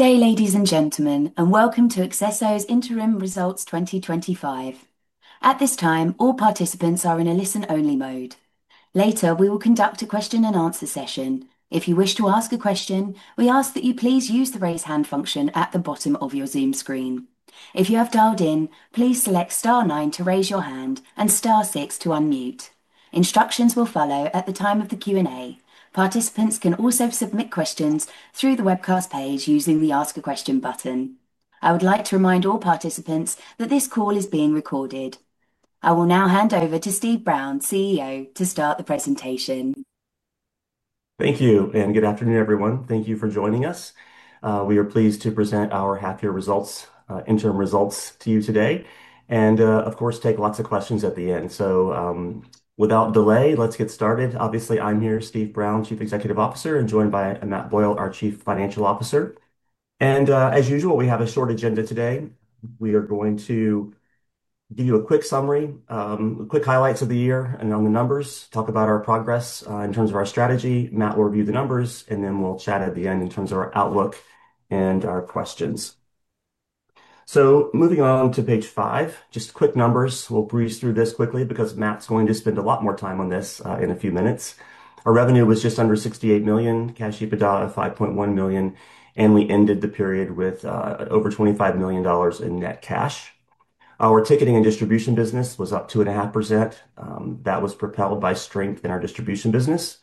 Good day, ladies and gentlemen, and welcome to Accesso Technology Group PLC's Interim Results 2025. At this time, all participants are in a listen-only mode. Later, we will conduct a question-and-answer session. If you wish to ask a question, we ask that you please use the raise-hand function at the bottom of your Zoom screen. If you have dialed in, please select *9 to raise your hand and *6 to unmute. Instructions will follow at the time of the Q&A. Participants can also submit questions through the webcast page using the Ask a Question button. I would like to remind all participants that this call is being recorded. I will now hand over to Steve Brown, CEO, to start the presentation. Thank you, and good afternoon, everyone. Thank you for joining us. We are pleased to present our half-year results, interim results, to you today. Of course, take lots of questions at the end. Without delay, let's get started. Obviously, I'm here, Steve Brown, Chief Executive Officer, and joined by Matt Boyle, our Chief Financial Officer. As usual, we have a short agenda today. We are going to give you a quick summary, quick highlights of the year, and then the numbers, talk about our progress in terms of our strategy. Matt will review the numbers, and then we'll chat at the end in terms of our outlook and our questions. Moving on to page five, just quick numbers. We'll breeze through this quickly because Matt's going to spend a lot more time on this in a few minutes. Our revenue was just under $68 million, cash equal to $5.1 million, and we ended the period with over $25 million in net cash. Our ticketing and distribution business was up 2.5%. That was propelled by strength in our distribution business.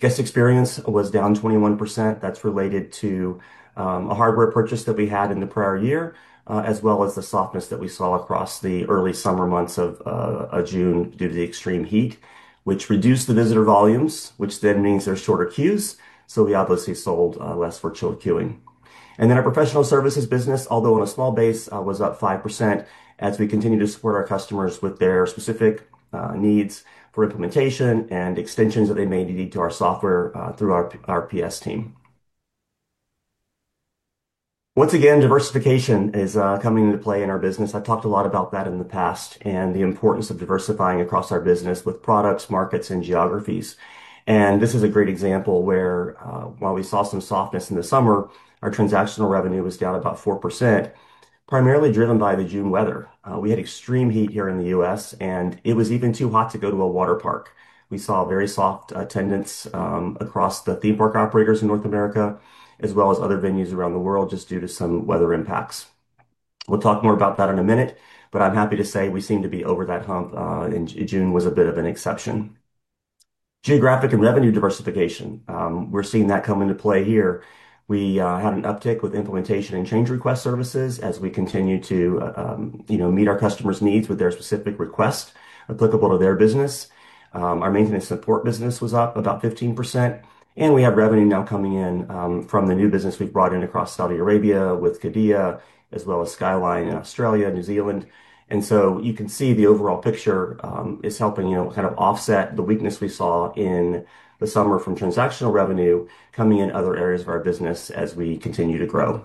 Guest experience was down 21%. That's related to a hardware purchase that we had in the prior year, as well as the softness that we saw across the early summer months of June due to the extreme heat, which reduced the visitor volumes, which then means there are shorter queues. We obviously sold less for chilled queuing. Our professional services business, although at a small base, was up 5% as we continue to support our customers with their specific needs for implementation and extensions that they may need to our software through our RPS team. Once again, diversification is coming into play in our business. I've talked a lot about that in the past and the importance of diversifying across our business with products, markets, and geographies. This is a great example where, while we saw some softness in the summer, our transactional revenue was down about 4%, primarily driven by the June weather. We had extreme heat here in the U.S., and it was even too hot to go to a water park. We saw very soft attendance across the theme park operators in North America, as well as other venues around the world, just due to some weather impacts. We'll talk more about that in a minute, but I'm happy to say we seem to be over that hump, and June was a bit of an exception. Geographic and revenue diversification, we're seeing that come into play here. We had an uptick with implementation and change request services as we continue to meet our customers' needs with their specific requests applicable to their business. Our maintenance support business was up about 15%, and we have revenue now coming in from the new business we've brought in across Saudi Arabia with Qiddiya, as well as Skyline Australia/New Zealand. You can see the overall picture is helping kind of offset the weakness we saw in the summer from transactional revenue coming in other areas of our business as we continue to grow.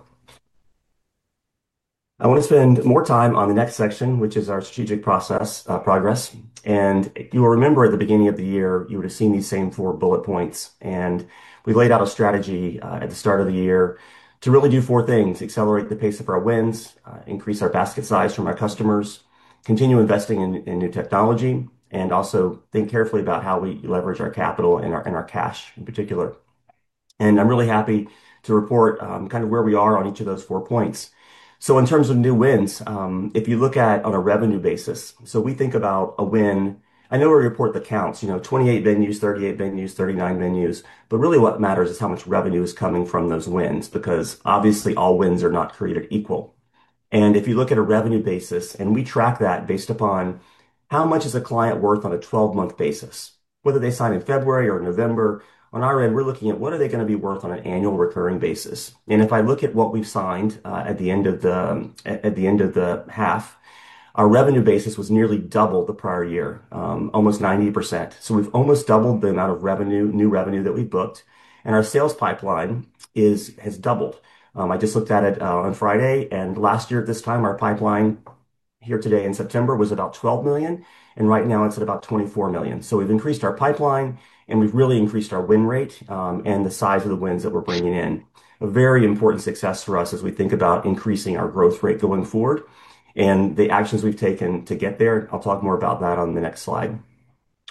I want to spend more time on the next section, which is our strategic process progress. You'll remember at the beginning of the year, you would have seen these same four bullet points. We laid out a strategy at the start of the year to really do four things: accelerate the pace of our wins, increase our basket size from our customers, continue investing in new technology, and also think carefully about how we leverage our capital and our cash in particular. I'm really happy to report kind of where we are on each of those four points. In terms of new wins, if you look at on a revenue basis, we think about a win, I know we report the counts, you know, 28 venues, 38 venues, 39 venues, but really what matters is how much revenue is coming from those wins because obviously all wins are not created equal. If you look at a revenue basis, and we track that based upon how much is a client worth on a 12-month basis, whether they sign in February or November, on our end, we're looking at what are they going to be worth on an annual recurring basis. If I look at what we've signed at the end of the half, our revenue basis was nearly double the prior year, almost 90%. We've almost doubled the amount of revenue, new revenue that we booked, and our sales pipeline has doubled. I just looked at it on Friday, and last year at this time, our pipeline here today in September was about $12 million, and right now it's at about $24 million. We've increased our pipeline, and we've really increased our win rate and the size of the wins that we're bringing in. A very important success for us as we think about increasing our growth rate going forward and the actions we've taken to get there. I'll talk more about that on the next slide.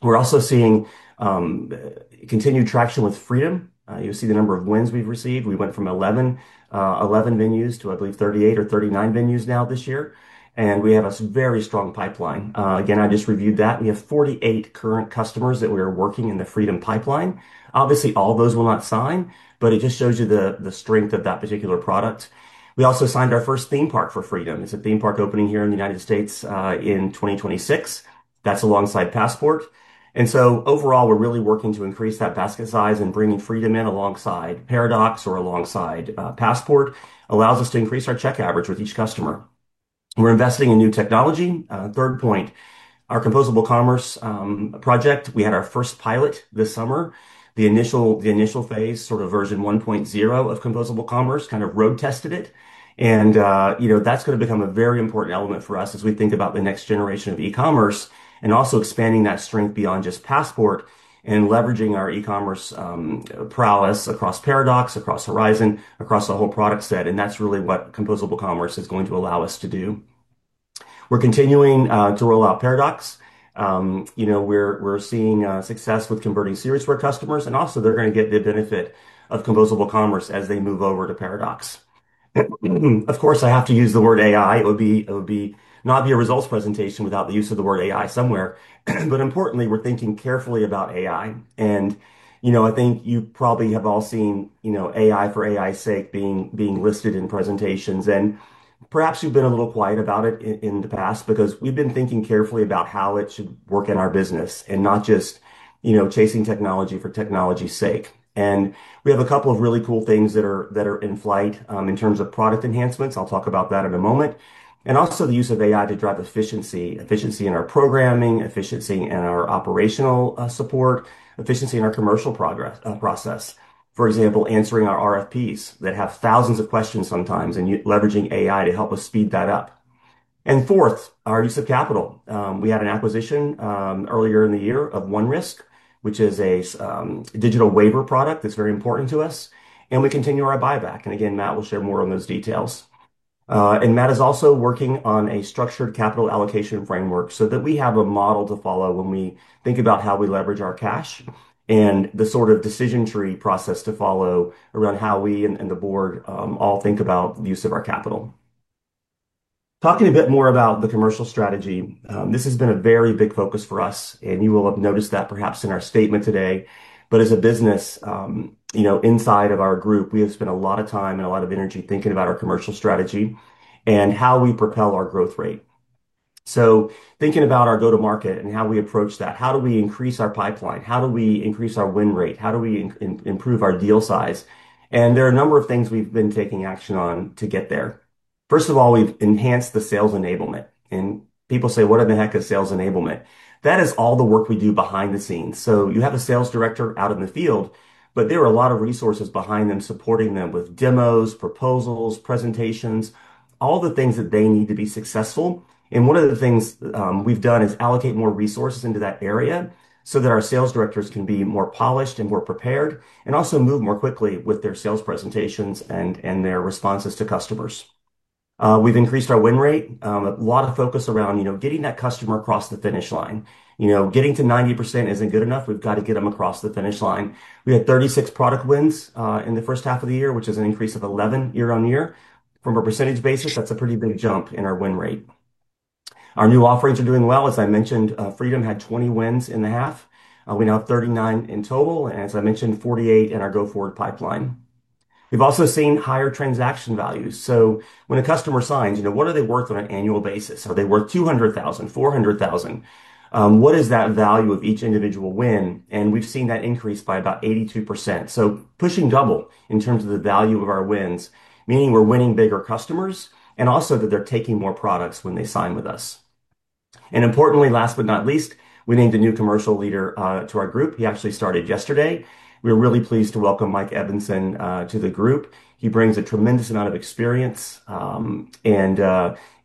We're also seeing continued traction with Accesso Freedom. You'll see the number of wins we've received. We went from 11 venues to, I believe, 38 or 39 venues now this year, and we have a very strong pipeline. I just reviewed that. We have 48 current customers that we are working in the Freedom pipeline. Obviously, all those will not sign, but it just shows you the strength of that particular product. We also signed our first theme park for Freedom. It's a theme park opening here in the United States in 2026. That's alongside Passport. Overall, we're really working to increase that basket size, and bringing Freedom in alongside Paradox or alongside Passport allows us to increase our check average with each customer. We're investing in new technology. Third point, our composable commerce project, we had our first pilot this summer. The initial phase, sort of version 1.0 of composable commerce, kind of road tested it. That's going to become a very important element for us as we think about the next generation of e-commerce and also expanding that strength beyond just Passport and leveraging our e-commerce prowess across Paradox, across Horizon, across the whole product set. That's really what composable commerce is going to allow us to do. We're continuing to roll out Paradox. We're seeing success with converting series for customers, and also they're going to get the benefit of composable commerce as they move over to Paradox. Of course, I have to use the word AI. It would not be a results presentation without the use of the word AI somewhere. Importantly, we're thinking carefully about AI. I think you probably have all seen AI for AI's sake being listed in presentations. Perhaps we've been a little quiet about it in the past because we've been thinking carefully about how it should work in our business and not just chasing technology for technology's sake. We have a couple of really cool things that are in flight in terms of product enhancements. I'll talk about that in a moment. Also, the use of AI to drive efficiency, efficiency in our programming, efficiency in our operational support, efficiency in our commercial process. For example, answering our RFPs that have thousands of questions sometimes and leveraging AI to help us speed that up. Fourth, our use of capital. We had an acquisition earlier in the year of OneRisk, which is a digital waiver product that's very important to us. We continue our buyback. Matt will share more on those details. Matt is also working on a structured capital allocation framework so that we have a model to follow when we think about how we leverage our cash and the sort of decision tree process to follow around how we and the board all think about the use of our capital. Talking a bit more about the commercial strategy, this has been a very big focus for us, and you will have noticed that perhaps in our statement today. As a business, inside of our group, we have spent a lot of time and a lot of energy thinking about our commercial strategy and how we propel our growth rate. Thinking about our go-to-market and how we approach that, how do we increase our pipeline? How do we increase our win rate? How do we improve our deal size? There are a number of things we've been taking action on to get there. First of all, we've enhanced the sales enablement. People say, what the heck is sales enablement? That is all the work we do behind the scenes. You have a Sales Director out in the field, but there are a lot of resources behind them supporting them with demos, proposals, presentations, all the things that they need to be successful. One of the things we've done is allocate more resources into that area so that our Sales Directors can be more polished and more prepared and also move more quickly with their sales presentations and their responses to customers. We've increased our win rate, a lot of focus around getting that customer across the finish line. Getting to 90% isn't good enough. We've got to get them across the finish line. We had 36 product wins in the first half of the year, which is an increase of 11 year on year. From a percentage basis, that's a pretty big jump in our win rate. Our new offerings are doing well. As I mentioned, Accesso Freedom had 20 wins in the half. We're now 39 in total, and as I mentioned, 48 in our go-forward pipeline. We've also seen higher transaction values. When a customer signs, what are they worth on an annual basis? Are they worth $200,000, $400,000? What is that value of each individual win? We've seen that increase by about 82%. Pushing double in terms of the value of our wins, meaning we're winning bigger customers and also that they're taking more products when they sign with us. Importantly, last but not least, we named a new commercial leader to our group. He actually started yesterday. We're really pleased to welcome Mike Evenson to the group. He brings a tremendous amount of experience and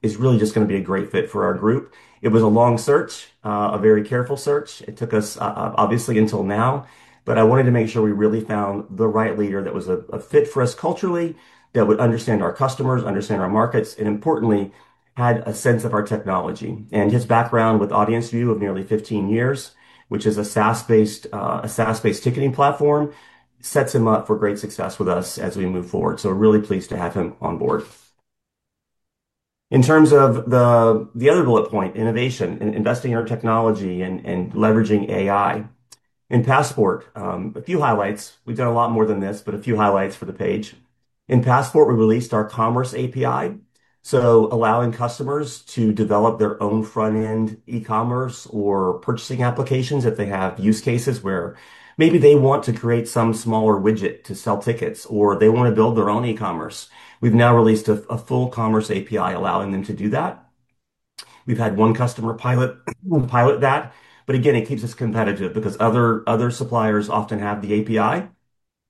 is really just going to be a great fit for our group. It was a long search, a very careful search. It took us obviously until now, but I wanted to make sure we really found the right leader that was a fit for us culturally, that would understand our customers, understand our markets, and importantly, had a sense of our technology. His background with AudienceView of nearly 15 years, which is a SaaS-based ticketing platform, sets him up for great success with us as we move forward. We're really pleased to have him on board. In terms of the other bullet point, innovation, investing in our technology and leveraging AI. In accesso Passport, a few highlights. We've done a lot more than this, but a few highlights for the page. In accesso Passport, we released our commerce API, allowing customers to develop their own front-end e-commerce or purchasing applications if they have use cases where maybe they want to create some smaller widget to sell tickets or they want to build their own e-commerce. We've now released a full commerce API allowing them to do that. We've had one customer pilot that, but it keeps us competitive because other suppliers often have the API.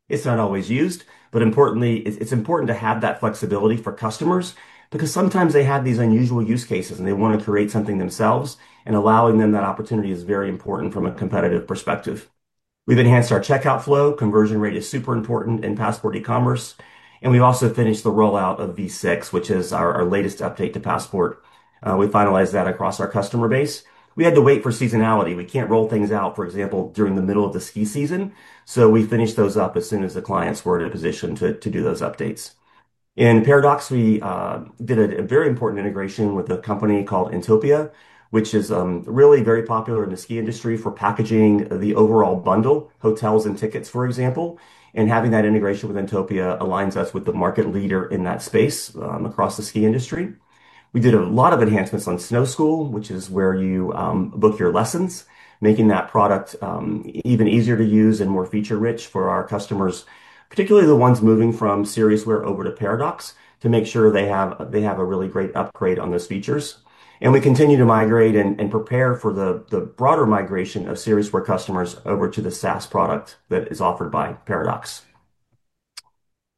It's not always used, but it's important to have that flexibility for customers because sometimes they have these unusual use cases and they want to create something themselves, and allowing them that opportunity is very important from a competitive perspective. We've enhanced our checkout flow. Conversion rate is super important in accesso Passport e-commerce. We've also finished the rollout of V6, which is our latest update to accesso Passport. We finalized that across our customer base. We had to wait for seasonality. We can't roll things out, for example, during the middle of the ski season. We finished those up as soon as the clients were in a position to do those updates. In accesso Paradox, we did a very important integration with a company called Intopia, which is really very popular in the ski industry for packaging the overall bundle, hotels and tickets, for example. Having that integration with Intopia aligns us with the market leader in that space across the ski industry. We did a lot of enhancements on Snow School, which is where you book your lessons, making that product even easier to use and more feature-rich for our customers, particularly the ones moving from Siriusware over to accesso Paradox, to make sure they have a really great upgrade on those features. We continue to migrate and prepare for the broader migration of Siriusware customers over to the SaaS product that is offered by accesso Paradox.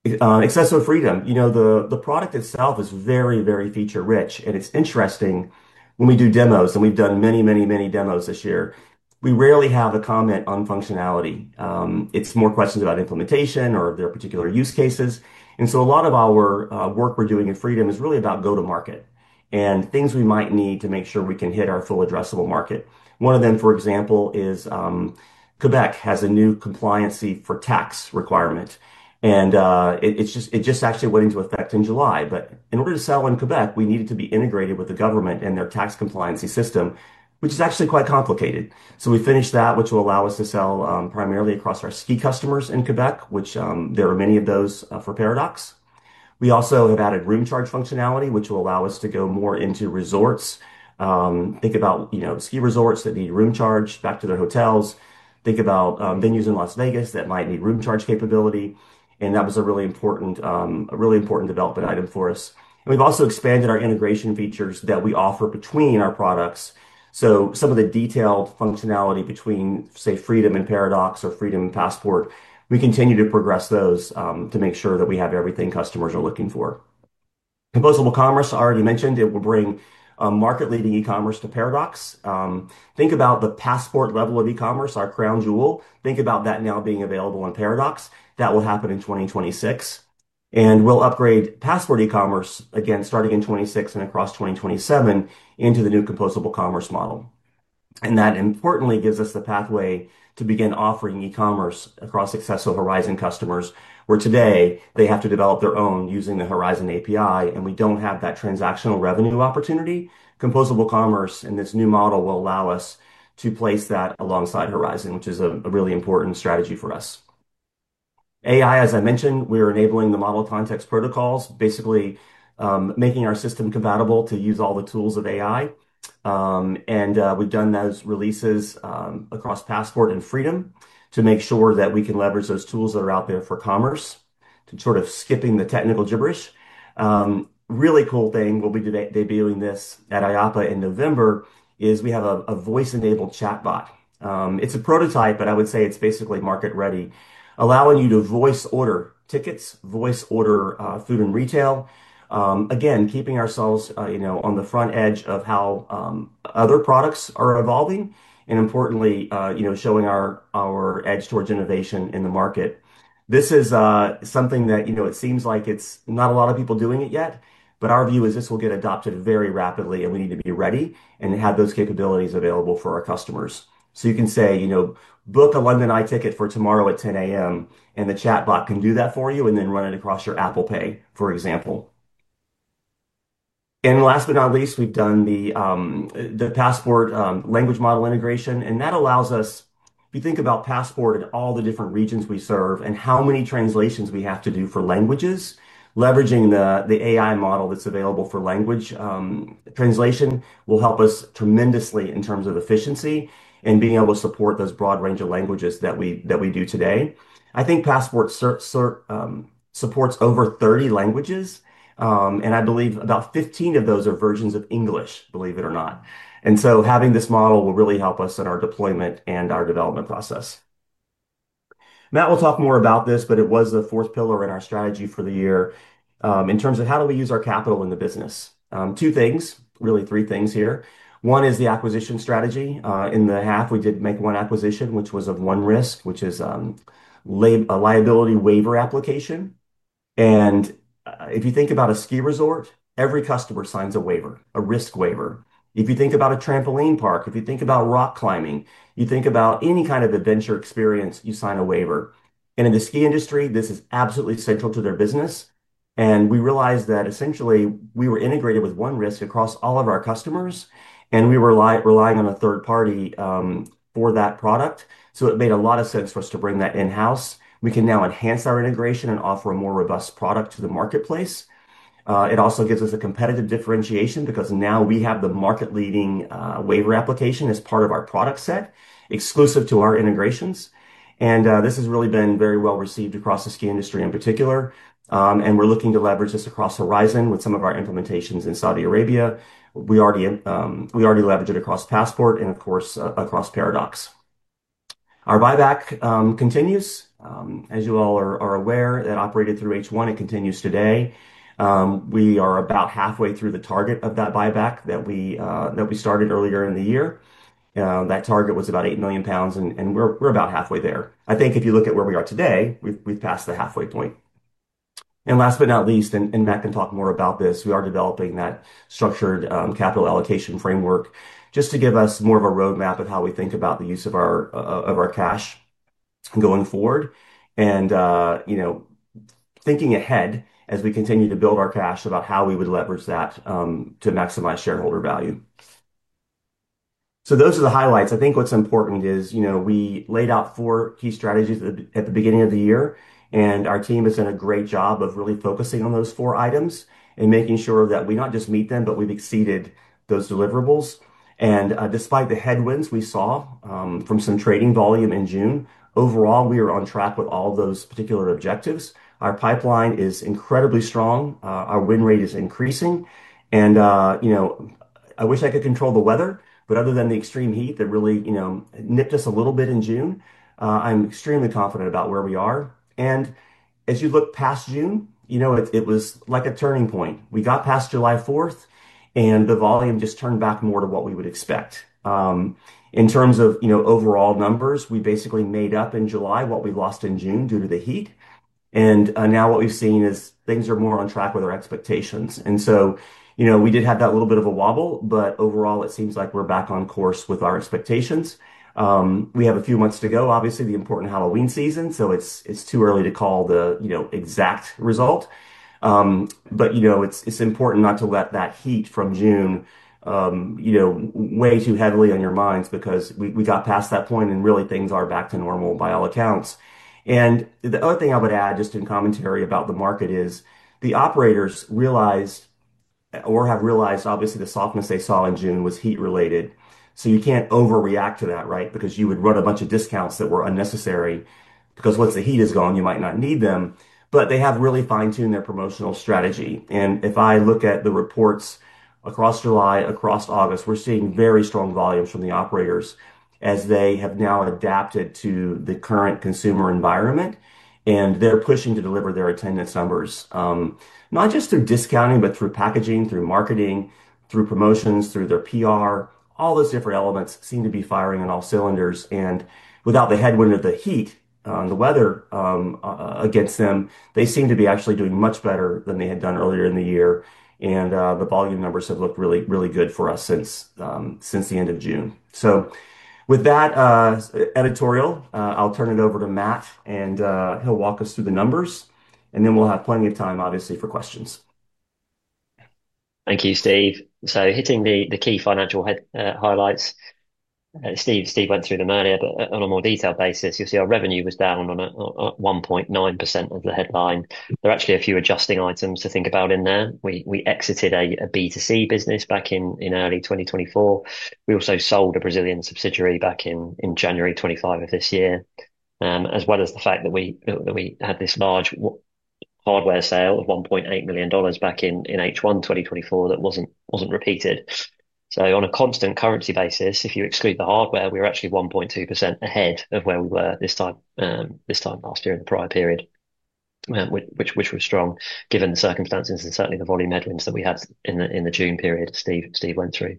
accesso Freedom, you know, the product itself is very, very feature-rich. It's interesting when we do demos, and we've done many, many, many demos this year, we rarely have a comment on functionality. It's more questions about implementation or their particular use cases. A lot of our work we're doing in Freedom is really about go-to-market and things we might need to make sure we can hit our full addressable market. One of them, for example, is Quebec has a new compliancy for tax requirement. It just actually went into effect in July. In order to sell in Quebec, we needed to be integrated with the government and their tax compliancy system, which is actually quite complicated. We finished that, which will allow us to sell primarily across our ski customers in Quebec, which there are many of those for accesso Paradox. We also have added room charge functionality, which will allow us to go more into resorts. Think about ski resorts that need room charge back to their hotels. Think about venues in Las Vegas that might need room charge capability. That was a really important development item for us. We've also expanded our integration features that we offer between our products. Some of the detailed functionality between, say, Freedom and Paradox or Freedom and Passport, we continue to progress those to make sure that we have everything customers are looking for. Composable commerce, I already mentioned, it will bring market-leading e-commerce to accesso Paradox. Think about the accesso Passport level of e-commerce, our crown jewel. Think about that now being available in Paradox. That will happen in 2026. We'll upgrade Passport e-commerce, again, starting in 2026 and across 2027 into the new composable commerce model. That importantly gives us the pathway to begin offering e-commerce across accesso Horizon customers, where today they have to develop their own using the Horizon API, and we don't have that transactional revenue opportunity. Composable commerce in this new model will allow us to place that alongside accesso Horizon, which is a really important strategy for us. AI, as I mentioned, we're enabling the model context protocols, basically making our system compatible to use all the tools of AI. We've done those releases across accesso Passport and accesso Freedom to make sure that we can leverage those tools that are out there for commerce, to sort of skipping the technical gibberish. Really cool thing, we'll be debuting this at IAAPA in November, is we have a voice-enabled chatbot. It's a prototype, but I would say it's basically market-ready, allowing you to voice order tickets, voice order food and retail. Again, keeping ourselves on the front edge of how other products are evolving, and importantly, showing our edge towards innovation in the market. This is something that it seems like it's not a lot of people doing it yet, but our view is this will get adopted very rapidly, and we need to be ready and have those capabilities available for our customers. You can say, you know, book a London Eye ticket for tomorrow at 10:00 A.M., and the chatbot can do that for you and then run it across your Apple Pay, for example. Last but not least, we've done the accesso Passport language model integration, and that allows us, if you think about accesso Passport and all the different regions we serve and how many translations we have to do for languages, leveraging the AI model that's available for language translation will help us tremendously in terms of efficiency and being able to support those broad range of languages that we do today. I think accesso Passport supports over 30 languages, and I believe about 15 of those are versions of English, believe it or not. Having this model will really help us in our deployment and our development process. Matt will talk more about this, but it was the fourth pillar in our strategy for the year in terms of how do we use our capital in the business. Two things, really three things here. One is the acquisition strategy. In the half, we did make one acquisition, which was of OneRisk, which is a liability waiver application. If you think about a ski resort, every customer signs a waiver, a risk waiver. If you think about a trampoline park, if you think about rock climbing, you think about any kind of adventure experience, you sign a waiver. In the ski industry, this is absolutely central to their business. We realized that essentially we were integrated with OneRisk across all of our customers, and we relied on a third party for that product. It made a lot of sense for us to bring that in-house. We can now enhance our integration and offer a more robust product to the marketplace. It also gives us a competitive differentiation because now we have the market-leading waiver application as part of our product set, exclusive to our integrations. This has really been very well received across the ski industry in particular. We're looking to leverage this across accesso Horizon with some of our implementations in Saudi Arabia. We already leverage it across accesso Passport and, of course, across accesso Paradox. Our buyback continues. As you all are aware, that operated through H1, it continues today. We are about halfway through the target of that buyback that we started earlier in the year. That target was about £8 million, and we're about halfway there. I think if you look at where we are today, we've passed the halfway point. Last but not least, and Matt can talk more about this, we are developing that structured capital allocation framework just to give us more of a roadmap of how we think about the use of our cash going forward and thinking ahead as we continue to build our cash about how we would leverage that to maximize shareholder value. Those are the highlights. I think what's important is we laid out four key strategies at the beginning of the year, and our team has done a great job of really focusing on those four items and making sure that we not just meet them, but we've exceeded those deliverables. Despite the headwinds we saw from some trading volume in June, overall, we are on track with all of those particular objectives. Our pipeline is incredibly strong. Our win rate is increasing. I wish I could control the weather, but other than the extreme heat that really nipped us a little bit in June, I'm extremely confident about where we are. As you look past June, it was like a turning point. We got past July 4th, and the volume just turned back more to what we would expect. In terms of overall numbers, we basically made up in July what we lost in June due to the heat. Now what we've seen is things are more on track with our expectations. We did have that little bit of a wobble, but overall, it seems like we're back on course with our expectations. We have a few months to go, obviously, the important Halloween season, so it's too early to call the exact result. It's important not to let that heat from June weigh too heavily on your minds because we got past that point, and really, things are back to normal by all accounts. The other thing I would add just in commentary about the market is the operators realized or have realized, obviously, the softness they saw in June was heat-related. You can't overreact to that, right? You would run a bunch of discounts that were unnecessary because once the heat is gone, you might not need them. They have really fine-tuned their promotional strategy. If I look at the reports across July, across August, we're seeing very strong volumes from the operators as they have now adapted to the current consumer environment, and they're pushing to deliver their attendance numbers, not just through discounting, but through packaging, through marketing, through promotions, through their PR. All those different elements seem to be firing on all cylinders. Without the headwind of the heat and the weather against them, they seem to be actually doing much better than they had done earlier in the year. The volume numbers have looked really, really good for us since the end of June. With that editorial, I'll turn it over to Matt, and he'll walk us through the numbers, and then we'll have plenty of time, obviously, for questions. Thank you, Steve. Hitting the key financial highlights, Steve went through them earlier, but on a more detailed basis, you'll see our revenue was down on 1.9% of the headline. There are actually a few adjusting items to think about in there. We exited a B2C business back in early 2024. We also sold a Brazilian subsidiary back in January 25 of this year, as well as the fact that we had this large hardware sale of $1.8 million back in H1 2024 that wasn't repeated. On a constant currency basis, if you exclude the hardware, we were actually 1.2% ahead of where we were this time last year in the prior period, which was strong given the circumstances and certainly the volume headwinds that we had in the June period Steve went through.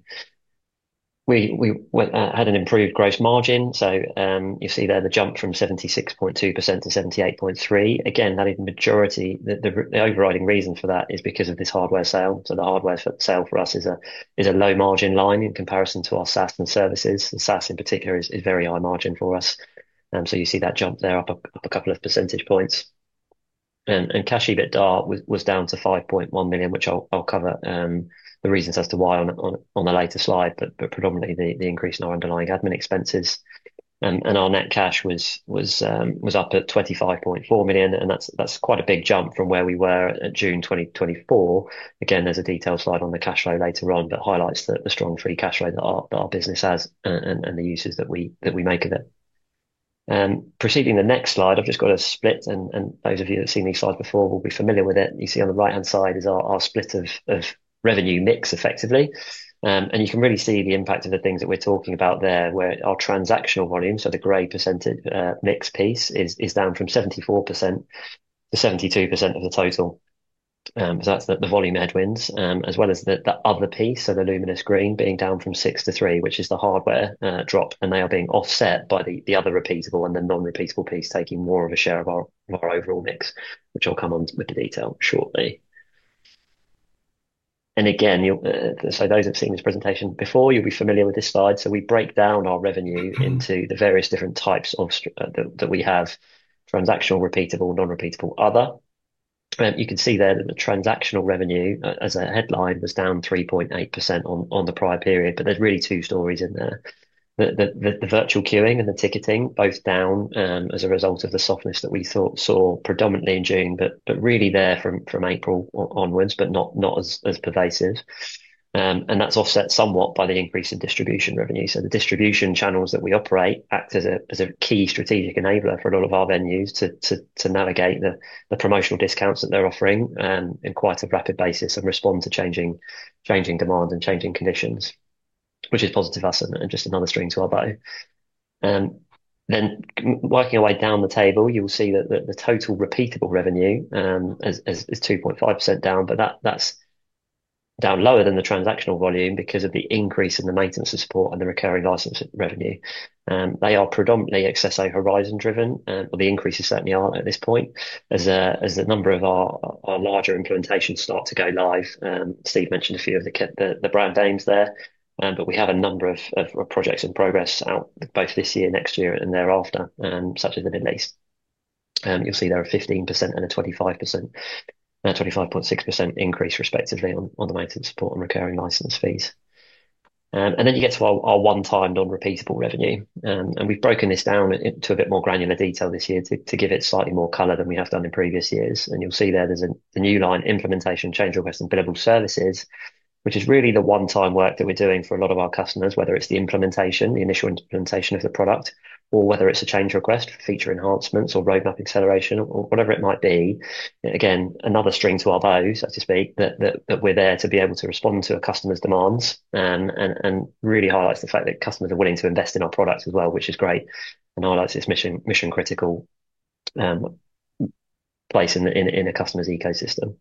We had an improved gross margin. You see there the jump from 76.2% to 78.3%. The overriding reason for that is because of this hardware sale. The hardware sale for us is a low margin line in comparison to our SaaS and services. The SaaS in particular is very high margin for us. You see that jump there up a couple of percentage points. Cash EBITDA was down to $5.1 million, which I'll cover the reasons as to why on a later slide, but predominantly the increase in our underlying admin expenses. Our net cash was up at $25.4 million, and that's quite a big jump from where we were at June 2024. There's a detailed slide on the cash flow later on that highlights the strong free cash flow that our business has and the uses that we make of it. Proceeding to the next slide, I've just got a split, and those of you that have seen these slides before will be familiar with it. You see on the right-hand side is our split of revenue mix effectively. You can really see the impact of the things that we're talking about there, where our transactional volume, so the gray percentage mix piece, is down from 74% to 72% of the total. That's the volume headwinds, as well as the other piece, so the luminous green being down from 6% to 3%, which is the hardware drop. They are being offset by the other repeatable and the non-repeatable piece, taking more of a share of our overall mix, which I'll come on with the detail shortly. Those who have seen this presentation before will be familiar with this slide. We break down our revenue into the various different types that we have: transactional, repeatable, non-repeatable, other. You can see there that the transactional revenue as a headline was down 3.8% on the prior period. There's really two stories in there. The virtual queuing and the ticketing both down as a result of the softness that we saw predominantly in June, but really there from April onwards, not as pervasive. That's offset somewhat by the increase in distribution revenue. The distribution channels that we operate act as a key strategic enabler for a lot of our venues to navigate the promotional discounts that they're offering in quite a rapid basis and respond to changing demand and changing conditions, which is positive for us and just another string to our bow. Working our way down the table, you'll see that the total repeatable revenue is 2.5% down, but that's down lower than the transactional volume because of the increase in the maintenance of support and the recurring license revenue. They are predominantly Accesso Horizon-driven, or the increases certainly are at this point, as a number of our larger implementations start to go live. Steve mentioned a few of the brand names there, but we have a number of projects in progress out both this year, next year, and thereafter, such as the Middle East. You'll see there are a 15% and a 25.6% increase respectively on the maintenance support and recurring license fees. You get to our one-time non-repeatable revenue. We've broken this down to a bit more granular detail this year to give it slightly more color than we have done in previous years. You'll see there's a new line, Implementation Change Request and Billable Services, which is really the one-time work that we're doing for a lot of our customers, whether it's the implementation, the initial implementation of the product, or whether it's a change request, feature enhancements, or roadmap acceleration, or whatever it might be. Another string to our bow, so to speak, that we're there to be able to respond to a customer's demands and really highlights the fact that customers are willing to invest in our products as well, which is great and highlights this mission-critical place in a customer's ecosystem.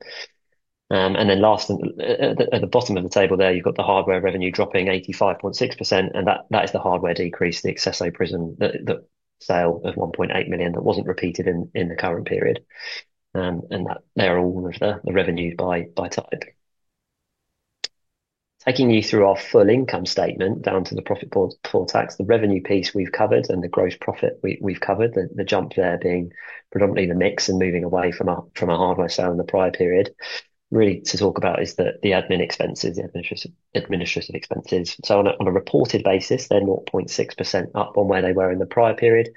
Last, at the bottom of the table there, you've got the hardware revenue dropping 85.6%, and that is the hardware decrease, the Accesso Prism sale of $1.8 million that wasn't repeated in the current period. They are all there, the revenue by type. Taking you through our full income statement down to the profit before tax, the revenue piece we've covered and the gross profit we've covered, the jump there being predominantly the mix and moving away from a hardware sale in the prior period. Really, to talk about is the admin expenses, the administrative expenses. On a reported basis, they're 0.6% up on where they were in the prior period.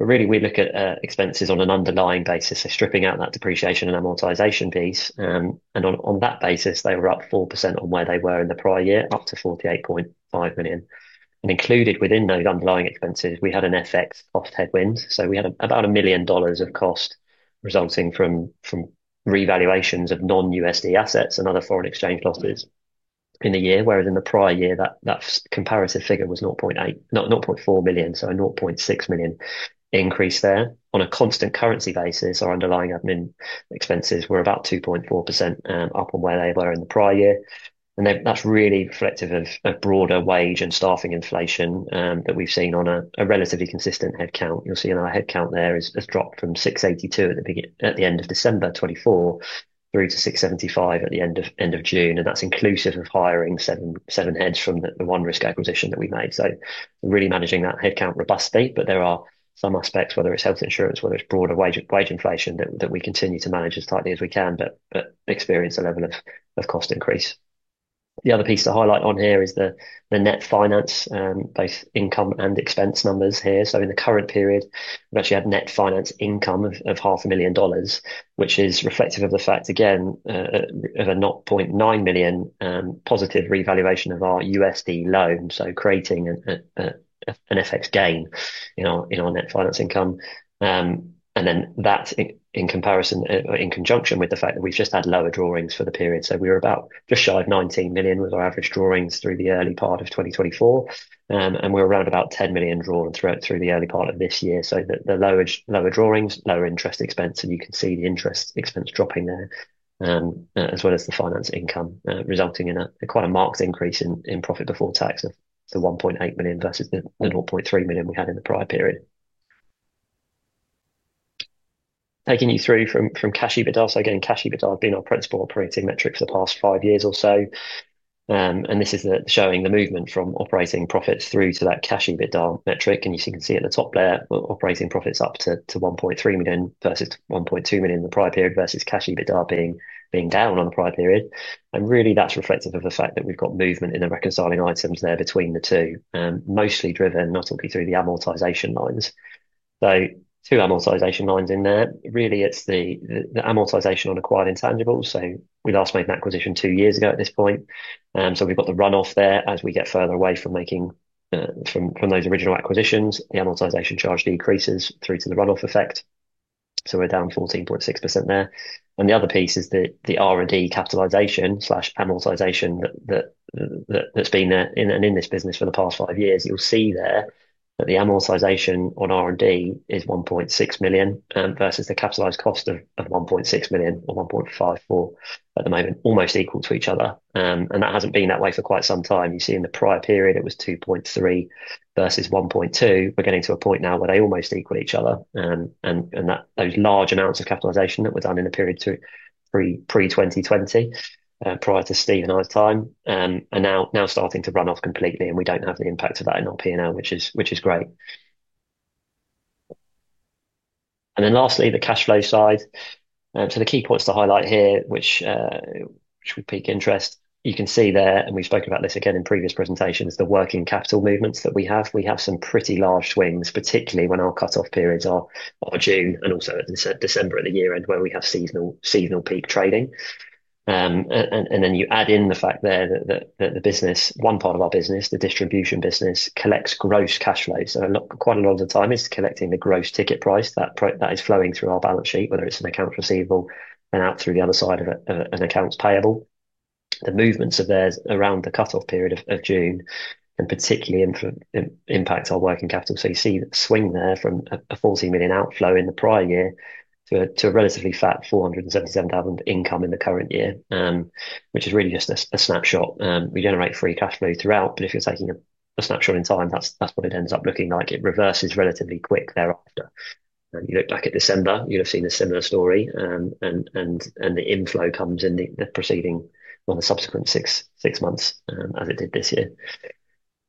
We look at expenses on an underlying basis, so stripping out that depreciation and amortization piece. On that basis, they were up 4% on where they were in the prior year, up to $48.5 million. Included within those underlying expenses, we had an FX cost headwind. We had about $1 million of cost resulting from revaluations of non-USD assets and other foreign exchange losses in the year, whereas in the prior year, that comparative figure was $0.4 million. A $0.6 million increase there. On a constant currency basis, our underlying admin expenses were about 2.4% up from where they were in the prior year. That's really reflective of broader wage and staffing inflation that we've seen on a relatively consistent headcount. You'll see our headcount there has dropped from 682 at the end of December 2024 through to 675 at the end of June. That's inclusive of hiring seven heads from the OneRisk acquisition that we made. We're really managing that headcount robustly, but there are some aspects, whether it's health insurance, whether it's broader wage inflation, that we continue to manage as tightly as we can, but experience a level of cost increase. The other piece to highlight on here is the net finance-based income and expense numbers. In the current period, we've actually had net finance income of $0.5 million, which is reflective of the fact, again, of a $0.9 million positive revaluation of our USD loan, creating an FX gain in our net finance income. That's in conjunction with the fact that we've just had lower drawings for the period. We were just shy of $19 million with our average drawings through the early part of 2024, and we're around about $10 million drawings through the early part of this year. The lower drawings, lower interest expense, and you can see the interest expense dropping there, as well as the finance income resulting in quite a marked increase in profit before tax of the $1.8 million versus the $0.3 million we had in the prior period. Taking you through from cash EBITDA, cash EBITDA has been our principal operating metric for the past five years or so. This is showing the movement from operating profits through to that cash EBITDA metric. You can see at the top there, operating profits up to $1.3 million versus $1.2 million in the prior period versus cash EBITDA being down on the prior period. That's reflective of the fact that we've got movement in the reconciling items there between the two, mostly driven, and I'll talk you through the amortization lines. Two amortization lines in there. It's the amortization on acquired intangibles. We last made an acquisition two years ago at this point. We've got the runoff there as we get further away from making from those original acquisitions. The amortization charge decreases through to the runoff effect. We're down 14.6% there. The other piece is the R&D capitalization/amortization that's been there in and in this business for the past five years. You'll see there that the amortization on R&D is $1.6 million versus the capitalized cost of $1.6 million or $1.54 million at the moment, almost equal to each other. That hasn't been that way for quite some time. You see in the prior period, it was $2.3 million versus $1.2 million. We're getting to a point now where they almost equal each other. Those large amounts of capitalization that were done in the period pre-2020, prior to Steve and I's time, are now starting to run off completely. We don't have the impact of that in our P&L, which is great. Lastly, the cash flow side. The key points to highlight here, which with peak interest, you can see there, and we've spoken about this again in previous presentations, the working capital movements that we have. We have some pretty large swings, particularly when our cutoff periods are June and also December at the year end, where we have seasonal peak trading. You add in the fact there that the business, one part of our business, the distribution business, collects gross cash flows. Quite a lot of the time is collecting the gross ticket price that is flowing through our balance sheet, whether it's an accounts receivable and out through the other side of an accounts payable. The movements of theirs around the cutoff period of June, and particularly impact our working capital. You see the swing there from a $40 million outflow in the prior year to a relatively fat $477,000 income in the current year, which is really just a snapshot. We generate free cash flow throughout, but if you're taking a snapshot in time, that's what it ends up looking like. It reverses relatively quick thereafter. If you look back at December, you'd have seen a similar story, and the inflow comes in the proceeding or the subsequent six months as it did this year.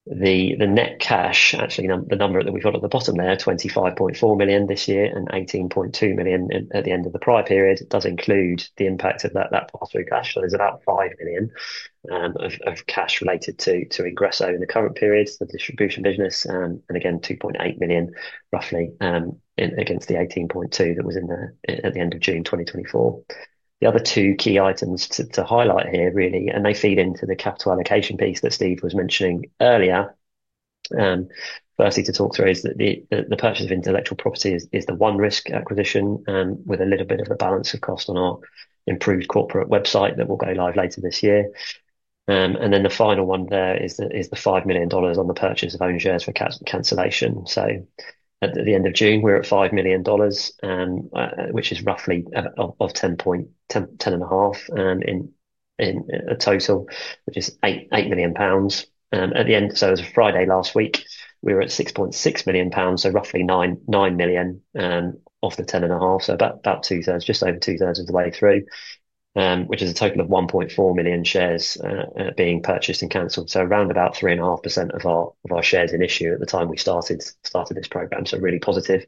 The net cash, actually, the number that we've got at the bottom there, $25.4 million this year and $18.2 million at the end of the prior period, does include the impact of that pass-through cash. There's about $5 million of cash related to Ingresso in the current period, the distribution business, and again, $2.8 million roughly against the $18.2 million that was in there at the end of June 2024. The other two key items to highlight here, and they feed into the capital allocation piece that Steve was mentioning earlier, firstly to talk through is that the purchase of intellectual property is the OneRisk acquisition with a little bit of a balance of cost on our improved corporate website that will go live later this year. The final one there is the $5 million on the purchase of ownership for cancellation. At the end of June, we're at $5 million, which is roughly out of $10.5 million in total, which is £8 million. At the end, so it was a Friday last week, we were at £6.6 million, so roughly $9 million off the $10.5 million, so about two-thirds, just over two-thirds of the way through, which is a total of 1.4 million shares being purchased and canceled. Around about 3.5% of our shares in issue at the time we started this program, so really positive,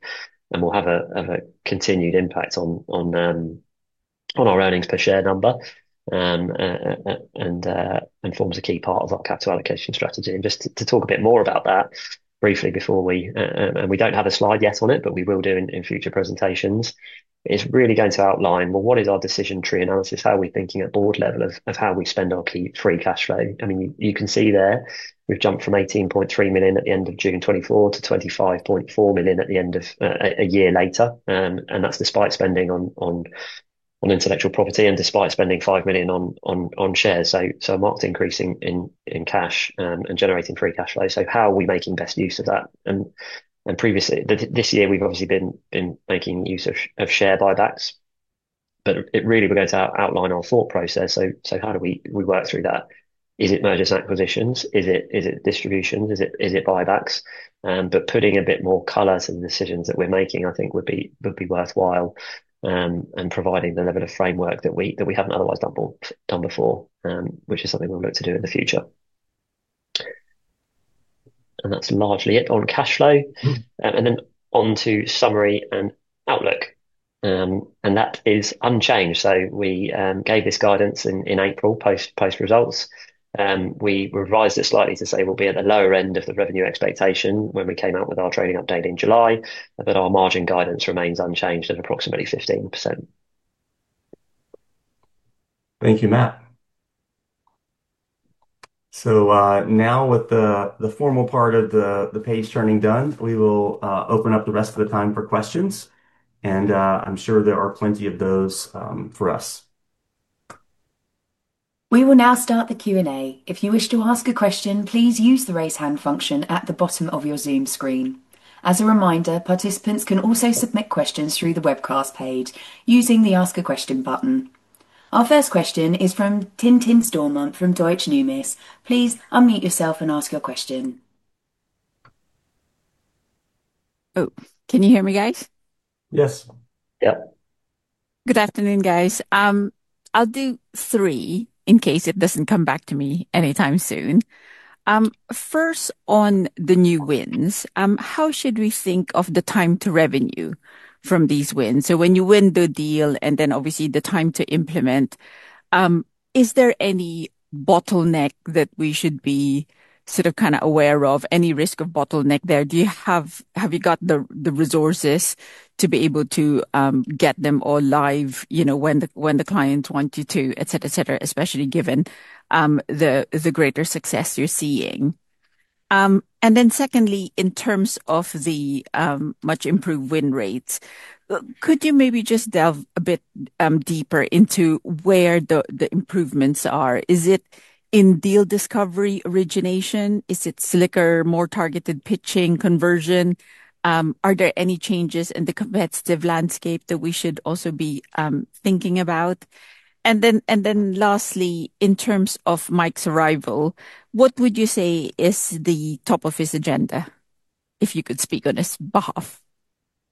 and will have a continued impact on our earnings per share number and forms a key part of our capital allocation strategy. Just to talk a bit more about that briefly before we, and we don't have a slide yet on it, but we will do in future presentations, is really going to outline, well, what is our decision tree analysis? How are we thinking at board level of how we spend our key free cash flow? You can see there, we've jumped from $18.3 million at the end of June 2024 to $25.4 million at the end of a year later, and that's despite spending on intellectual property and despite spending $5 million on shares, so a marked increase in cash and generating free cash flow. How are we making best use of that? Previously this year, we've obviously been making use of share buybacks, but we're going to outline our thought process. How do we work through that? Is it mergers and acquisitions? Is it distributions? Is it buybacks? Putting a bit more color to the decisions that we're making, I think, would be worthwhile and providing the level of framework that we haven't otherwise done before, which is something we'll look to do in the future. That's largely it on cash flow. On to summary and outlook. That is unchanged. We gave this guidance in April post-results. We revised it slightly to say we'll be at the lower end of the revenue expectation when we came out with our trading update in July, but our margin guidance remains unchanged at approximately 15%. Thank you, Matt. Now with the formal part of the page turning done, we will open up the rest of the time for questions, and I'm sure there are plenty of those for us. We will now start the Q&A. If you wish to ask a question, please use the raise hand function at the bottom of your Zoom screen. As a reminder, participants can also submit questions through the webcast page using the ask a question button. Our first question is from Tim Stormont from Deutsche Numis. Please unmute yourself and ask your question. Can you hear me, guys? Yes. Yeah. Good afternoon, guys. I'll do three in case it doesn't come back to me anytime soon. First, on the new wins, how should we think of the time to revenue from these wins? When you win the deal and then obviously the time to implement, is there any bottleneck that we should be sort of kind of aware of? Any risk of bottleneck there? Do you have, have you got the resources to be able to get them all live, you know, when the clients want you to, et cetera, et cetera, especially given the greater success you're seeing? Secondly, in terms of the much improved win rates, could you maybe just delve a bit deeper into where the improvements are? Is it in deal discovery origination? Is it slicker, more targeted pitching, conversion? Are there any changes in the competitive landscape that we should also be thinking about? Lastly, in terms of Mike's arrival, what would you say is the top of his agenda, if you could speak on his behalf?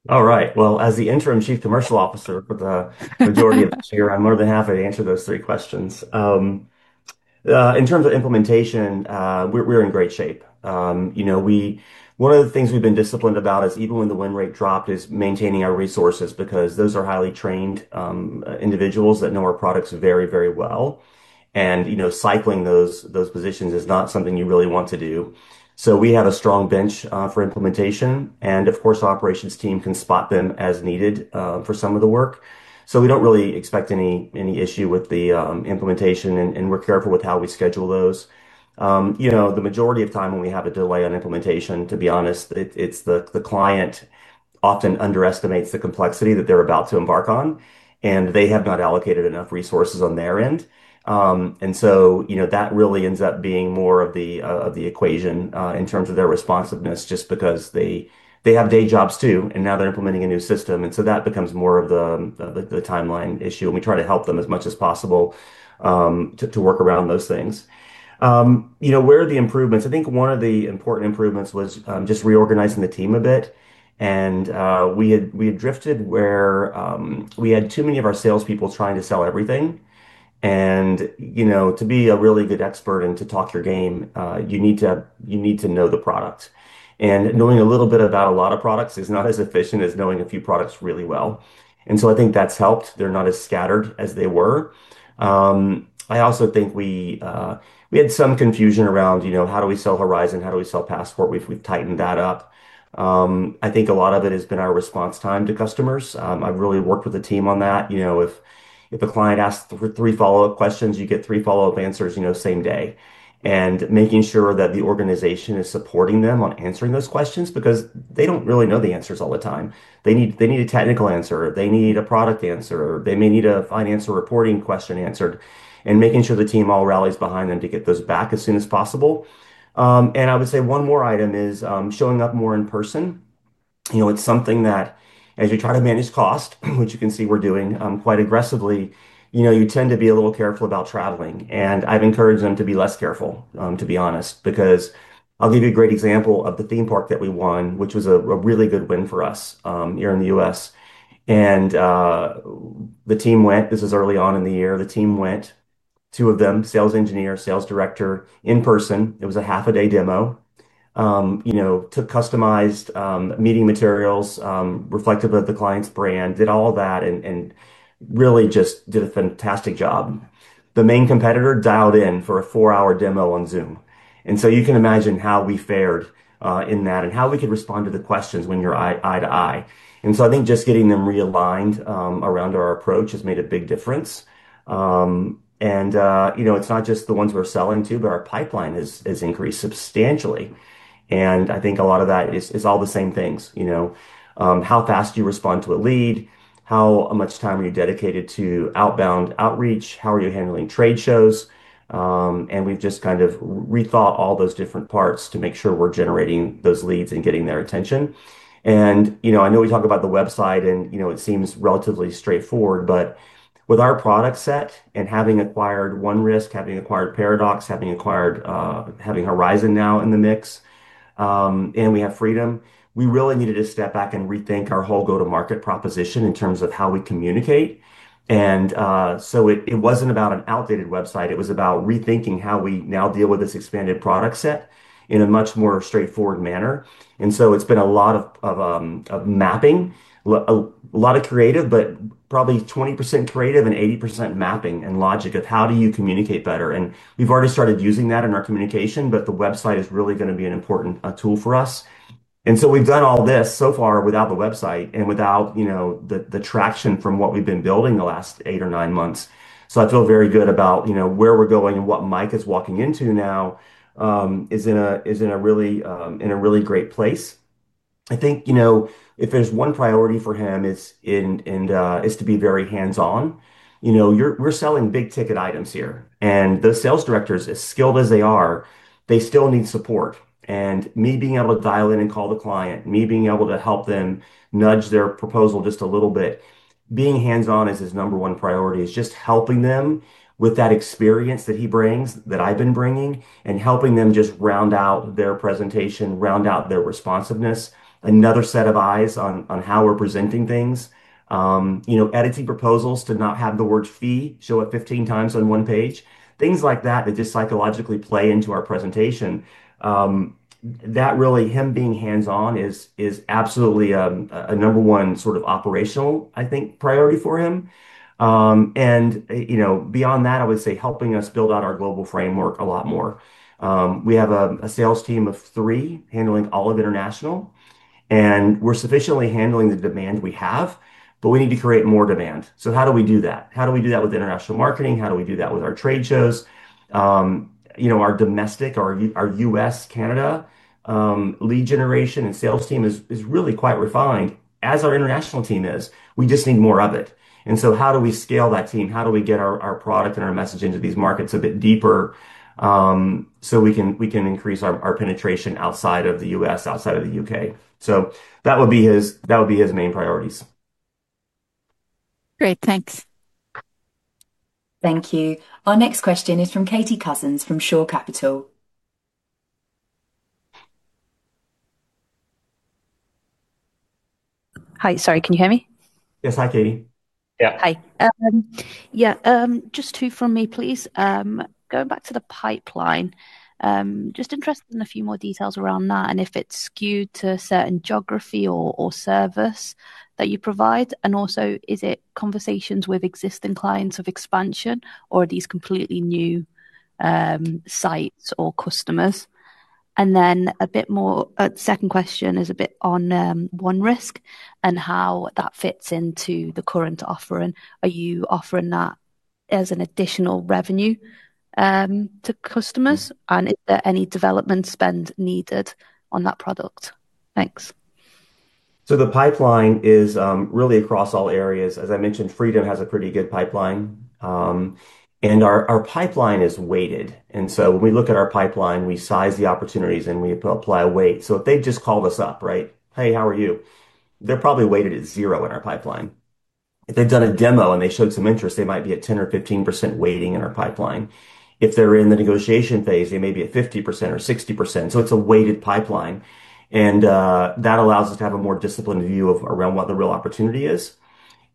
All right. As the Interim Chief Commercial Officer for the majority of this year, I'm more than happy to answer those three questions. In terms of implementation, we're in great shape. One of the things we've been disciplined about is even when the win rate dropped is maintaining our resources because those are highly trained individuals that know our products very, very well. Cycling those positions is not something you really want to do. We have a strong bench for implementation, and of course, our operations team can spot them as needed for some of the work. We don't really expect any issue with the implementation, and we're careful with how we schedule those. The majority of time when we have a delay on implementation, to be honest, it's the client often underestimates the complexity that they're about to embark on, and they have not allocated enough resources on their end. That really ends up being more of the equation in terms of their responsiveness just because they have day jobs too, and now they're implementing a new system. That becomes more of the timeline issue, and we try to help them as much as possible to work around those things. Where are the improvements? I think one of the important improvements was just reorganizing the team a bit. We had drifted where we had too many of our salespeople trying to sell everything. To be a really good expert and to talk your game, you need to know the product. Knowing a little bit about a lot of products is not as efficient as knowing a few products really well. I think that's helped. They're not as scattered as they were. I also think we had some confusion around, you know, how do we sell accesso Horizon? How do we sell accesso Passport? We've tightened that up. I think a lot of it has been our response time to customers. I've really worked with the team on that. If a client asks three follow-up questions, you get three follow-up answers, same day. Making sure that the organization is supporting them on answering those questions because they don't really know the answers all the time. They need a technical answer. They need a product answer. They may need a financial reporting question answered. Making sure the team all rallies behind them to get those back as soon as possible. I would say one more item is showing up more in person. You know, it's something that as you try to manage cost, which you can see we're doing quite aggressively, you tend to be a little careful about traveling. I've encouraged them to be less careful, to be honest, because I'll give you a great example of the theme park that we won, which was a really good win for us here in the U.S. The team went, this was early on in the year, the team went, two of them, Sales Engineer, Sales Director, in person. It was a half-a-day demo. Took customized meeting materials, reflected the client's brand, did all of that, and really just did a fantastic job. The main competitor dialed in for a four-hour demo on Zoom. You can imagine how we fared in that and how we could respond to the questions when you're eye-to-eye. I think just getting them realigned around our approach has made a big difference. It's not just the ones we're selling to, but our pipeline has increased substantially. I think a lot of that is all the same things. How fast do you respond to a lead? How much time are you dedicated to outbound outreach? How are you handling trade shows? We've just kind of rethought all those different parts to make sure we're generating those leads and getting their attention. I know we talk about the website and it seems relatively straightforward, but with our product set and having acquired OneRisk, having acquired accesso Paradox, having Horizon now in the mix, and we have accesso Freedom, we really needed to step back and rethink our whole go-to-market proposition in terms of how we communicate. It wasn't about an outdated website. It was about rethinking how we now deal with this expanded product set in a much more straightforward manner. It's been a lot of mapping, a lot of creative, but probably 20% creative and 80% mapping and logic of how do you communicate better. We've already started using that in our communication, but the website is really going to be an important tool for us. We've done all this so far without the website and without the traction from what we've been building the last eight or nine months. I feel very good about where we're going and what Mike is walking into now is in a really great place. I think if there's one priority for him is to be very hands-on. We're selling big ticket items here. The sales directors, as skilled as they are, still need support. Me being able to dial in and call the client, me being able to help them nudge their proposal just a little bit, being hands-on is his number one priority. It's just helping them with that experience that he brings, that I've been bringing, and helping them just round out their presentation, round out their responsiveness, another set of eyes on how we're presenting things. Editing proposals to not have the word "fee" show up 15 times on one page, things like that that just psychologically play into our presentation. Him being hands-on is absolutely a number one sort of operational, I think, priority for him. Beyond that, I would say helping us build out our global framework a lot more. We have a sales team of three handling all of international, and we're sufficiently handling the demand we have, but we need to create more demand. How do we do that? How do we do that with international marketing? How do we do that with our trade shows? Our domestic, our U.S., Canada lead generation and sales team is really quite refined, as our international team is. We just need more of it. How do we scale that team? How do we get our product and our message into these markets a bit deeper so we can increase our penetration outside of the U.S., outside of the U.K.? That would be his main priorities. Great, thanks. Thank you. Our next question is from Katie Cousins from Shore Capital. Hi, sorry, can you hear me? Yes, hi, Katie. Yeah. Hi. Yeah, just two from me, please. Going back to the pipeline, just interested in a few more details around that and if it's skewed to a certain geography or service that you provide. Also, is it conversations with existing clients of expansion or are these completely new sites or customers? The second question is a bit on OneRisk and how that fits into the current offering. Are you offering that as an additional revenue to customers? Is there any development spend needed on that product? Thanks. The pipeline is really across all areas. As I mentioned, Accesso Freedom has a pretty good pipeline. Our pipeline is weighted. When we look at our pipeline, we size the opportunities and we apply a weight. If they just called us up, "Hey, how are you?" they're probably weighted at zero in our pipeline. If they've done a demo and they showed some interest, they might be at 10% or 15% weighting in our pipeline. If they're in the negotiation phase, they may be at 50% or 60%. It's a weighted pipeline. That allows us to have a more disciplined view around what the real opportunity is.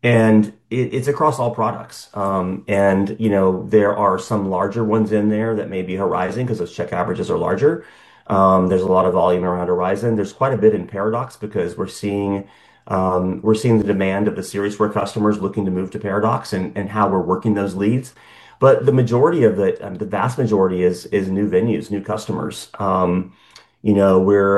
It's across all products. There are some larger ones in there that may be Accesso Horizon because those check averages are larger. There's a lot of volume around Accesso Horizon. There's quite a bit in Accesso Paradox because we're seeing the demand of the Series 4 customers looking to move to Accesso Paradox and how we're working those leads. The majority of it, the vast majority, is new venues, new customers. We're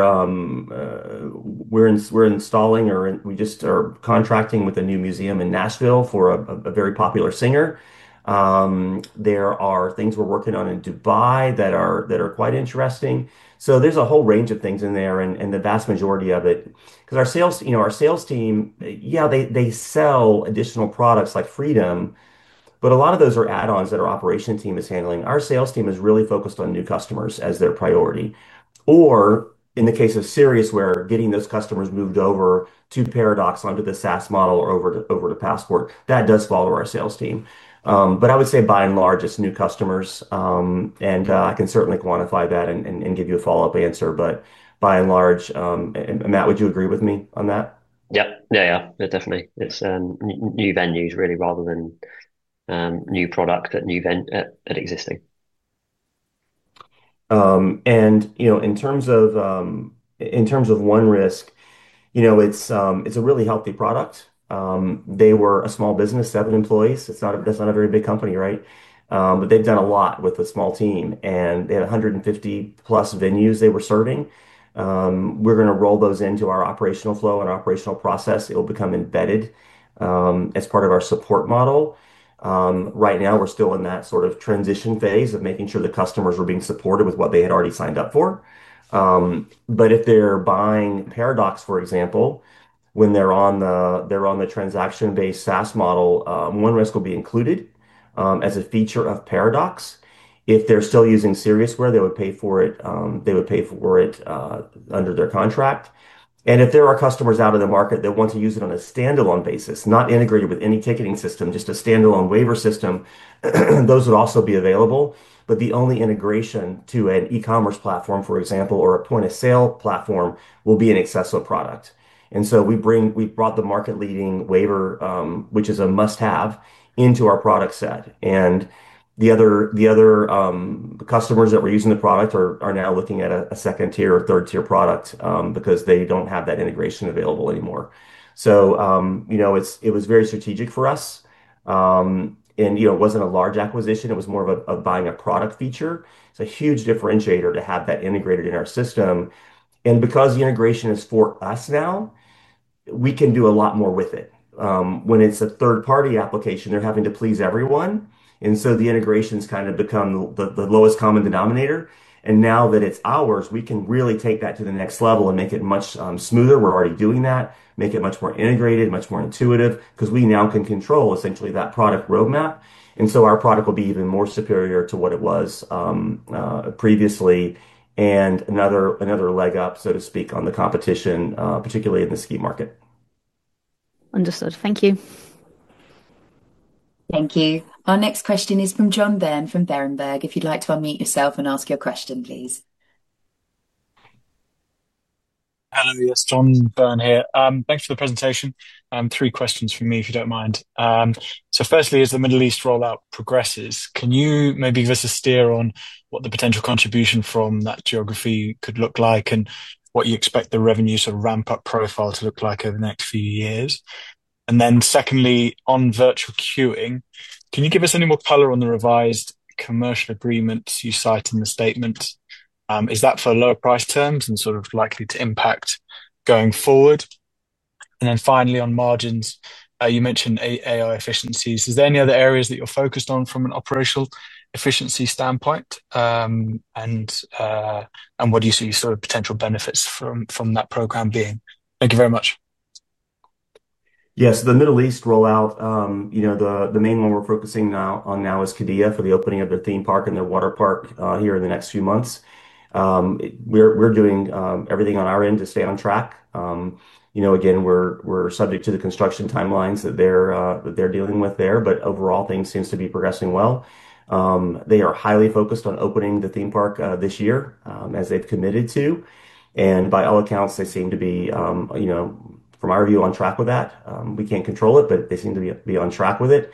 installing or we just are contracting with a new museum in Nashville for a very popular singer. There are things we're working on in Dubai that are quite interesting. There's a whole range of things in there. The vast majority of it, because our sales team, yeah, they sell additional products like Accesso Freedom, but a lot of those are add-ons that our operations team is handling. Our sales team is really focused on new customers as their priority. In the case of Series, we're getting those customers moved over to Accesso Paradox under the SaaS model or over to Accesso Passport. That does follow our sales team. I would say by and large, it's new customers. I can certainly quantify that and give you a follow-up answer. By and large, Matt, would you agree with me on that? Yeah, definitely. It's new venues really rather than new products at existing. In terms of OneRisk, it's a really healthy product. They were a small business, seven employees. That's not a very big company, right? They've done a lot with a small team, and they had 150+ venues they were serving. We're going to roll those into our operational flow and operational process. It will become embedded as part of our support model. Right now, we're still in that sort of transition phase of making sure the customers are being supported with what they had already signed up for. If they're buying accesso Paradox, for example, when they're on the transaction-based SaaS model, OneRisk will be included as a feature of accesso Paradox. If they're still using accesso Siriusware, they would pay for it under their contract. If there are customers out of the market that want to use it on a standalone basis, not integrated with any ticketing system, just a standalone waiver system, those would also be available. The only integration to an e-commerce platform, for example, or a point-of-sale platform will be an accesso product. We brought the market-leading waiver, which is a must-have, into our product set. The other customers that were using the product are now looking at a second-tier or third-tier product because they don't have that integration available anymore. It was very strategic for us. It wasn't a large acquisition. It was more of buying a product feature. It's a huge differentiator to have that integrated in our system. Because the integration is for us now, we can do a lot more with it. When it's a third-party application, they're having to please everyone, and so the integration's kind of become the lowest common denominator. Now that it's ours, we can really take that to the next level and make it much smoother. We're already doing that. Make it much more integrated, much more intuitive, because we now can control essentially that product roadmap. Our product will be even more superior to what it was previously and another leg up, so to speak, on the competition, particularly in the ski market. Understood. Thank you. Thank you. Our next question is from John Byrne from Berenberg. If you'd like to unmute yourself and ask your question, please. Yes, John Byrne here. Thanks for the presentation. Three questions from me, if you don't mind. Firstly, as the Middle East rollout progresses, can you maybe give us a steer on what the potential contribution from that geography could look like and what you expect the revenue sort of ramp-up profile to look like over the next few years? Secondly, on virtual queuing, can you give us any more color on the revised commercial agreements you cite in the statements? Is that for lower price terms and likely to impact going forward? Finally, on margins, you mentioned AI efficiencies. Is there any other areas that you're focused on from an operational efficiency standpoint? What do you see as sort of potential benefits from that program being? Thank you very much. Yeah, so the Middle East rollout, the main one we're focusing on now is Qiddiya for the opening of their theme park and their water park here in the next few months. We're doing everything on our end to stay on track. Again, we're subject to the construction timelines that they're dealing with there, but overall, things seem to be progressing well. They are highly focused on opening the theme park this year, as they've committed to. By all accounts, they seem to be, from our view, on track with that. We can't control it, but they seem to be on track with it.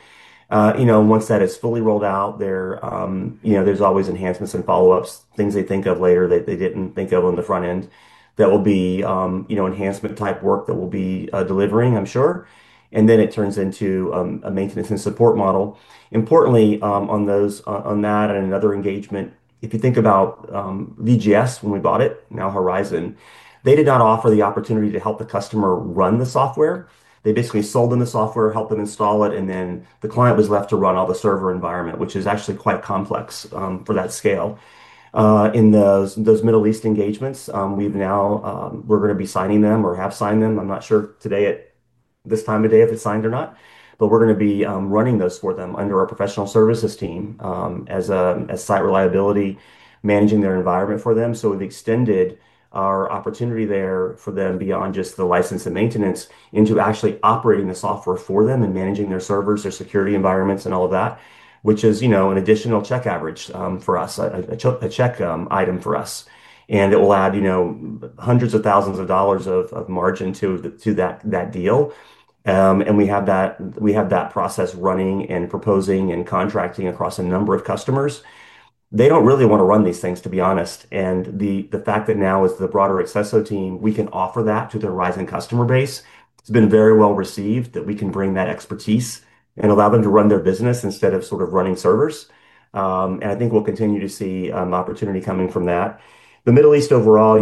Once that is fully rolled out, there's always enhancements and follow-ups, things they think of later that they didn't think of on the front end that will be enhancement type work that we'll be delivering, I'm sure. It then turns into a maintenance and support model. Importantly, on that and another engagement, if you think about VGS when we bought it, now Horizon, they did not offer the opportunity to help the customer run the software. They basically sold them the software, helped them install it, and then the client was left to run all the server environment, which is actually quite complex for that scale. In those Middle East engagements, we're going to be signing them or have signed them. I'm not sure today, at this time of day, if it's signed or not, but we're going to be running those for them under our Professional Services team as a site reliability, managing their environment for them. We've extended our opportunity there for them beyond just the license and maintenance into actually operating the software for them and managing their servers, their security environments, and all of that, which is an additional check average for us, a check item for us. It will add hundreds of thousands of dollars of margin to that deal. We have that process running and proposing and contracting across a number of customers. They don't really want to run these things, to be honest. The fact that now as the broader Accesso team, we can offer that to the Horizon customer base, it's been very well received that we can bring that expertise and allow them to run their business instead of running servers. I think we'll continue to see opportunity coming from that. The Middle East overall,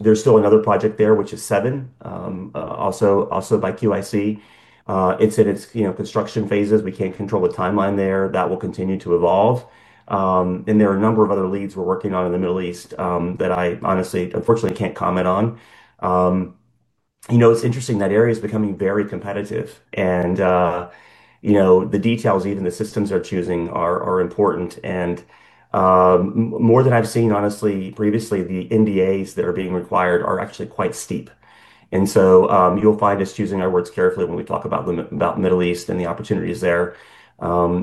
there's still another project there, which is Seven, also by Qiddiya Investment Company. It's in its construction phases. We can't control the timeline there. That will continue to evolve. There are a number of other leads we're working on in the Middle East that I honestly, unfortunately, can't comment on. It's interesting that area is becoming very competitive. The details, even the systems they're choosing, are important. More than I've seen previously, the NDAs that are being required are actually quite steep. You'll find us choosing our words carefully when we talk about the Middle East and the opportunities there,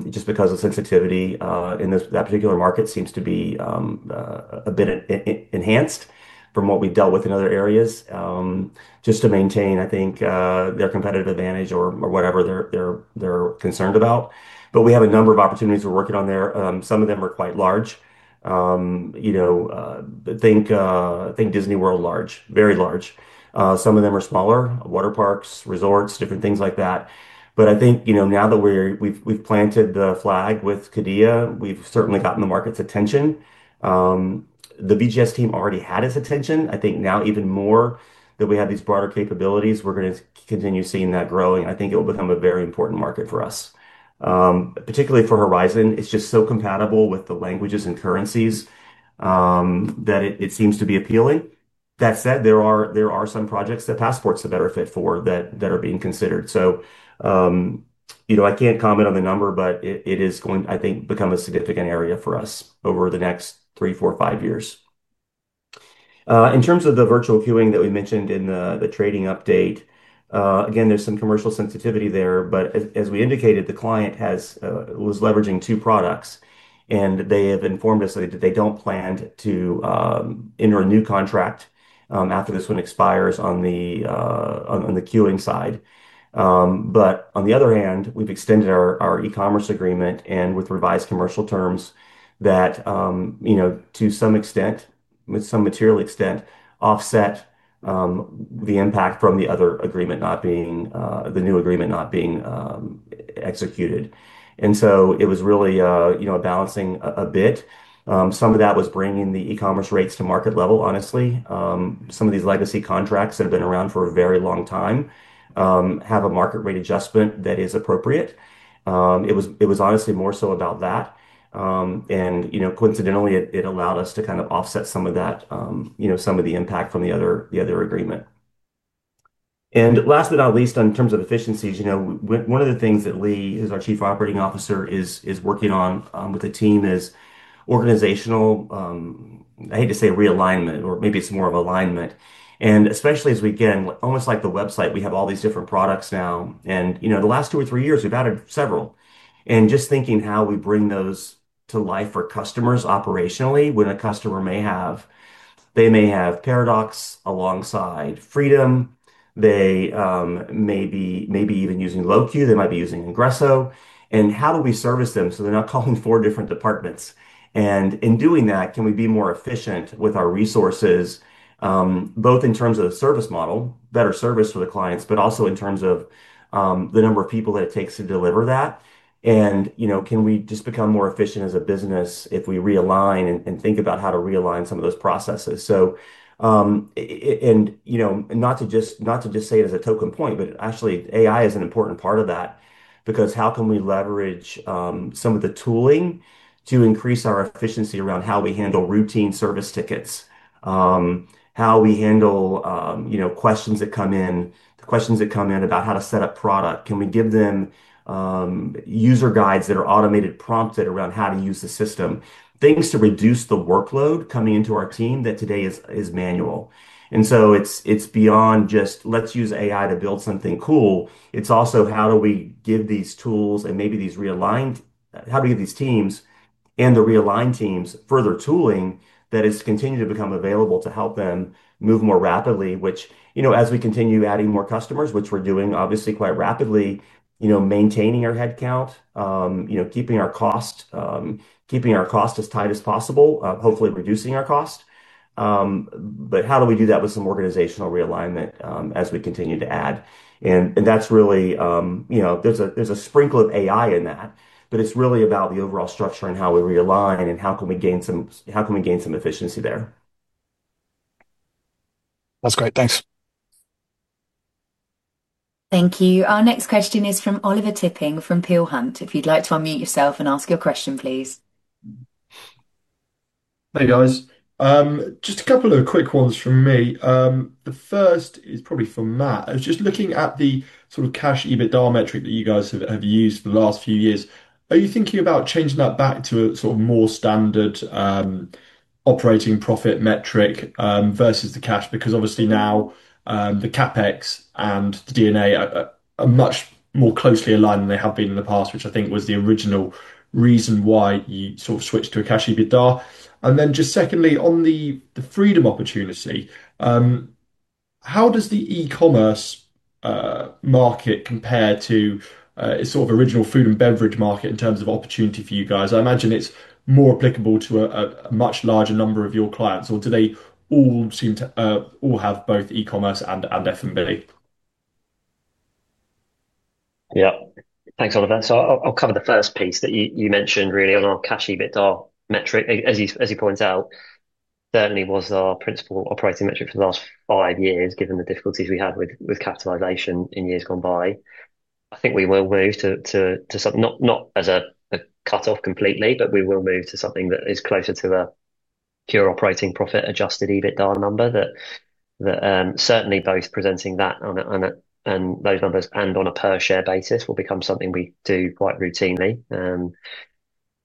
just because the sensitivity in that particular market seems to be a bit enhanced from what we've dealt with in other areas, just to maintain, I think, their competitive advantage or whatever they're concerned about. We have a number of opportunities we're working on there. Some of them are quite large. Think Disney World large, very large. Some of them are smaller, water parks, resorts, different things like that. I think now that we've planted the flag with Qiddiya, we've certainly gotten the market's attention. The BGS team already had its attention. I think now even more that we have these broader capabilities, we're going to continue seeing that growing. I think it will become a very important market for us. Particularly for accesso Horizon, it's just so compatible with the languages and currencies that it seems to be appealing. That said, there are some projects that accesso Passport's a better fit for that are being considered. I can't comment on the number, but it is going to, I think, become a significant area for us over the next three, four, five years. In terms of the virtual queuing that we mentioned in the trading update, there's some commercial sensitivity there, but as we indicated, the client was leveraging two products. They have informed us that they don't plan to enter a new contract after this one expires on the queuing side. On the other hand, we've extended our e-commerce agreement and with revised commercial terms that, to some extent, with some material extent, offset the impact from the other agreement not being, the new agreement not being executed. It was really balancing a bit. Some of that was bringing the e-commerce rates to market level, honestly. Some of these legacy contracts that have been around for a very long time have a market rate adjustment that is appropriate. It was honestly more so about that. You know, coincidentally, it allowed us to kind of offset some of that, some of the impact from the other agreement. Last but not least, in terms of efficiencies, one of the things that Lee, who's our Chief Operating Officer, is working on with the team is organizational, I hate to say realignment, or maybe it's more of alignment. Especially as we, again, almost like the website, we have all these different products now. The last two or three years, we've added several. Just thinking how we bring those to life for customers operationally, when a customer may have, they may have accesso Paradox alongside accesso Freedom. They may be even using accesso LoQueue. They might be using Ingresso. How do we service them so they're not calling four different departments? In doing that, can we be more efficient with our resources, both in terms of the service model, better service for the clients, but also in terms of the number of people that it takes to deliver that? Can we just become more efficient as a business if we realign and think about how to realign some of those processes? Not to just say it as a token point, but actually, AI is an important part of that because how can we leverage some of the tooling to increase our efficiency around how we handle routine service tickets, how we handle questions that come in, questions that come in about how to set up product? Can we give them user guides that are automated, prompted around how to use the system? Things to reduce the workload coming into our team that today is manual. It's beyond just let's use AI to build something cool. It's also how do we give these tools and maybe these realigned, how do we give these teams and the realigned teams further tooling that has continued to become available to help them move more rapidly, which, as we continue adding more customers, which we're doing obviously quite rapidly, maintaining our headcount, keeping our cost, keeping our cost as tight as possible, hopefully reducing our cost. How do we do that with some organizational realignment as we continue to add? That's really, there's a sprinkle of AI in that, but it's really about the overall structure and how we realign and how can we gain some, how can we gain some efficiency there. That's great. Thanks. Thank you. Our next question is from Oliver Tipping from Pure Hunt. If you'd like to unmute yourself and ask your question, please. Howdy guys. Just a couple of quick ones from me. The first is probably for Matt. I was just looking at the sort of cash EBITDA metric that you guys have used for the last few years. Are you thinking about changing that back to a sort of more standard operating profit metric versus the cash? Because obviously now the CapEx and the D&A are much more closely aligned than they have been in the past, which I think was the original reason why you sort of switched to a cash EBITDA. Secondly, on the Freedom opportunity, how does the e-commerce market compare to its sort of original food and beverage market in terms of opportunity for you guys? I imagine it's more applicable to a much larger number of your clients, or do they all seem to all have both e-commerce and F&B? Yeah. Thanks, Oliver. I'll cover the first piece that you mentioned really on our cash EBITDA metric. As he points out, it certainly was our principal operating metric for the last five years, given the difficulties we have with capitalization in years gone by. I think we will move to something, not as a cutoff completely, but we will move to something that is closer to a pure operating profit adjusted EBITDA number. Certainly both presenting that and those numbers and on a per-share basis will become something we do quite routinely.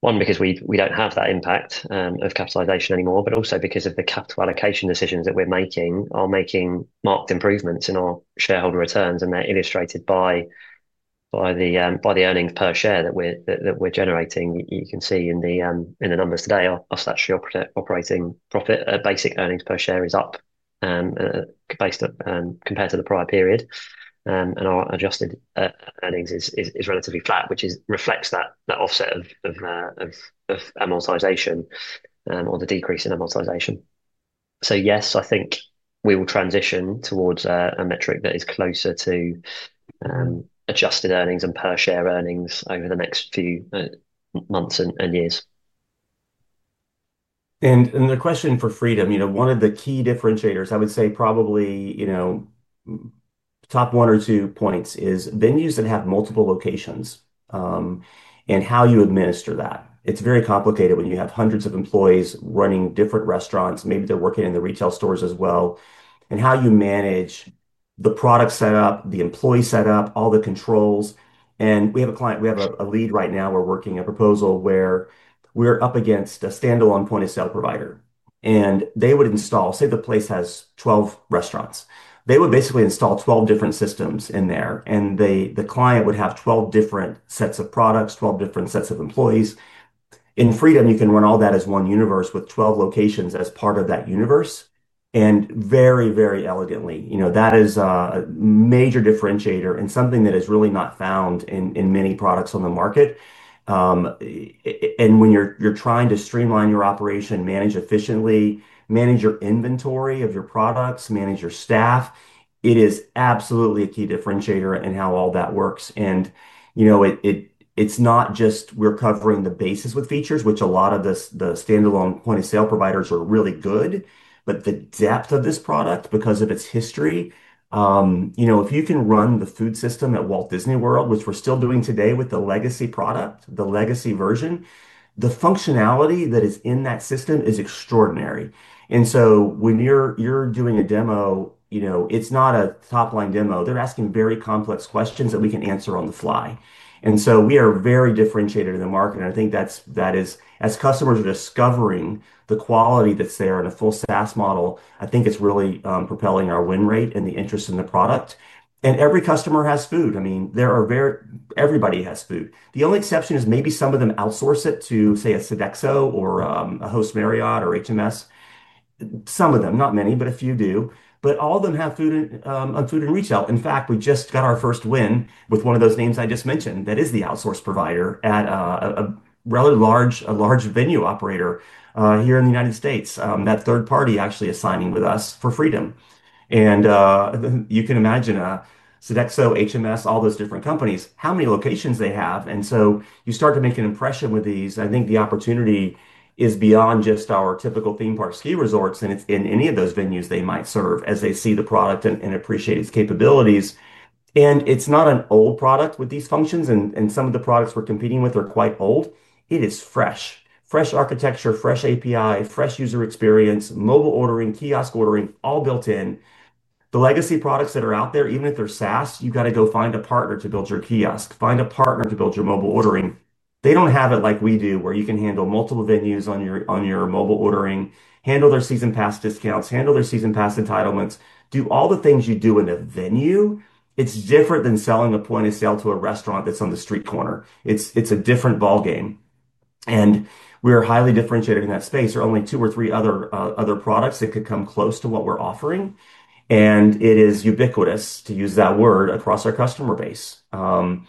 One, because we don't have that impact of capitalization anymore, but also because the capital allocation decisions that we're making are making marked improvements in our shareholder returns, and they're illustrated by the earnings per share that we're generating. You can see in the numbers today, our statutory operating profit, basic earnings per share is up compared to the prior period, and our adjusted earnings is relatively flat, which reflects that offset of amortization or the decrease in amortization. Yes, I think we will transition towards a metric that is closer to adjusted earnings and per-share earnings over the next few months and years. The question for Freedom, one of the key differentiators, I would say probably top one or two points, is venues that have multiple locations and how you administer that. It's very complicated when you have hundreds of employees running different restaurants, maybe they're working in the retail stores as well, and how you manage the product setup, the employee setup, all the controls. We have a client, we have a lead right now. We're working a proposal where we're up against a standalone point-of-sale provider. They would install, say the place has 12 restaurants. They would basically install 12 different systems in there, and the client would have 12 different sets of products, 12 different sets of employees. In Freedom, you can run all that as one universe with 12 locations as part of that universe. Very, very elegantly, that is a major differentiator and something that is really not found in many products on the market. When you're trying to streamline your operation, manage efficiently, manage your inventory of your products, manage your staff, it is absolutely a key differentiator in how all that works. It's not just we're covering the basis with features, which a lot of the standalone point-of-sale providers are really good, but the depth of this product, because of its history, if you can run the food system at Walt Disney World, which we're still doing today with the legacy product, the legacy version, the functionality that is in that system is extraordinary. When you're doing a demo, it's not a top-line demo. They're asking very complex questions that we can answer on the fly. We are very differentiated in the market. I think that is, as customers are discovering the quality that's there in a full SaaS model, I think it's really propelling our win rate and the interest in the product. Every customer has food. I mean, everybody has food. The only exception is maybe some of them outsource it to, say, a Sodexo or a HostMarriott or HMS. Some of them, not many, but a few do. All of them have food and retail. In fact, we just got our first win with one of those names I just mentioned that is the outsourced provider at a relatively large venue operator here in the United States. That third party actually is signing with us for Freedom. You can imagine Sodexo, HMS, all those different companies, how many locations they have. You start to make an impression with these. I think the opportunity is beyond just our typical theme park ski resorts and it's in any of those venues they might serve as they see the product and appreciate its capabilities. It's not an old product with these functions, and some of the products we're competing with are quite old. It is fresh. Fresh architecture, fresh API, fresh user experience, mobile ordering, kiosk ordering, all built in. The legacy products that are out there, even if they're SaaS, you've got to go find a partner to build your kiosk, find a partner to build your mobile ordering. They don't have it like we do, where you can handle multiple venues on your mobile ordering, handle their season pass discounts, handle their season pass entitlements, do all the things you do in a venue. It's different than selling a point-of-sale to a restaurant that's on the street corner. It's a different ball game. We're highly differentiated in that space. There are only two or three other products that could come close to what we're offering. It is ubiquitous, to use that word, across our customer base. Some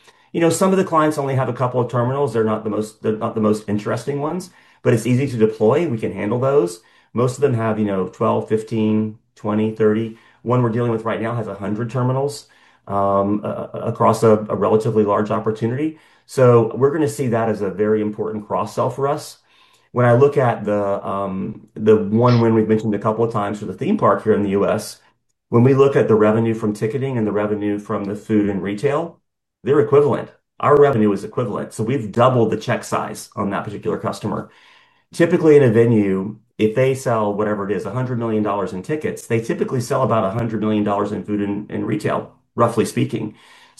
of the clients only have a couple of terminals. They're not the most interesting ones, but it's easy to deploy. We can handle those. Most of them have, you know, 12, 15, 20, 30. One we're dealing with right now has 100 terminals across a relatively large opportunity. We're going to see that as a very important cross-sell for us. When I look at the one win we've mentioned a couple of times for the theme park here in the U.S., when we look at the revenue from ticketing and the revenue from the food and retail, they're equivalent. Our revenue is equivalent. We've doubled the check size on that particular customer. Typically, in a venue, if they sell whatever it is, $100 million in tickets, they typically sell about $100 million in food and retail, roughly speaking.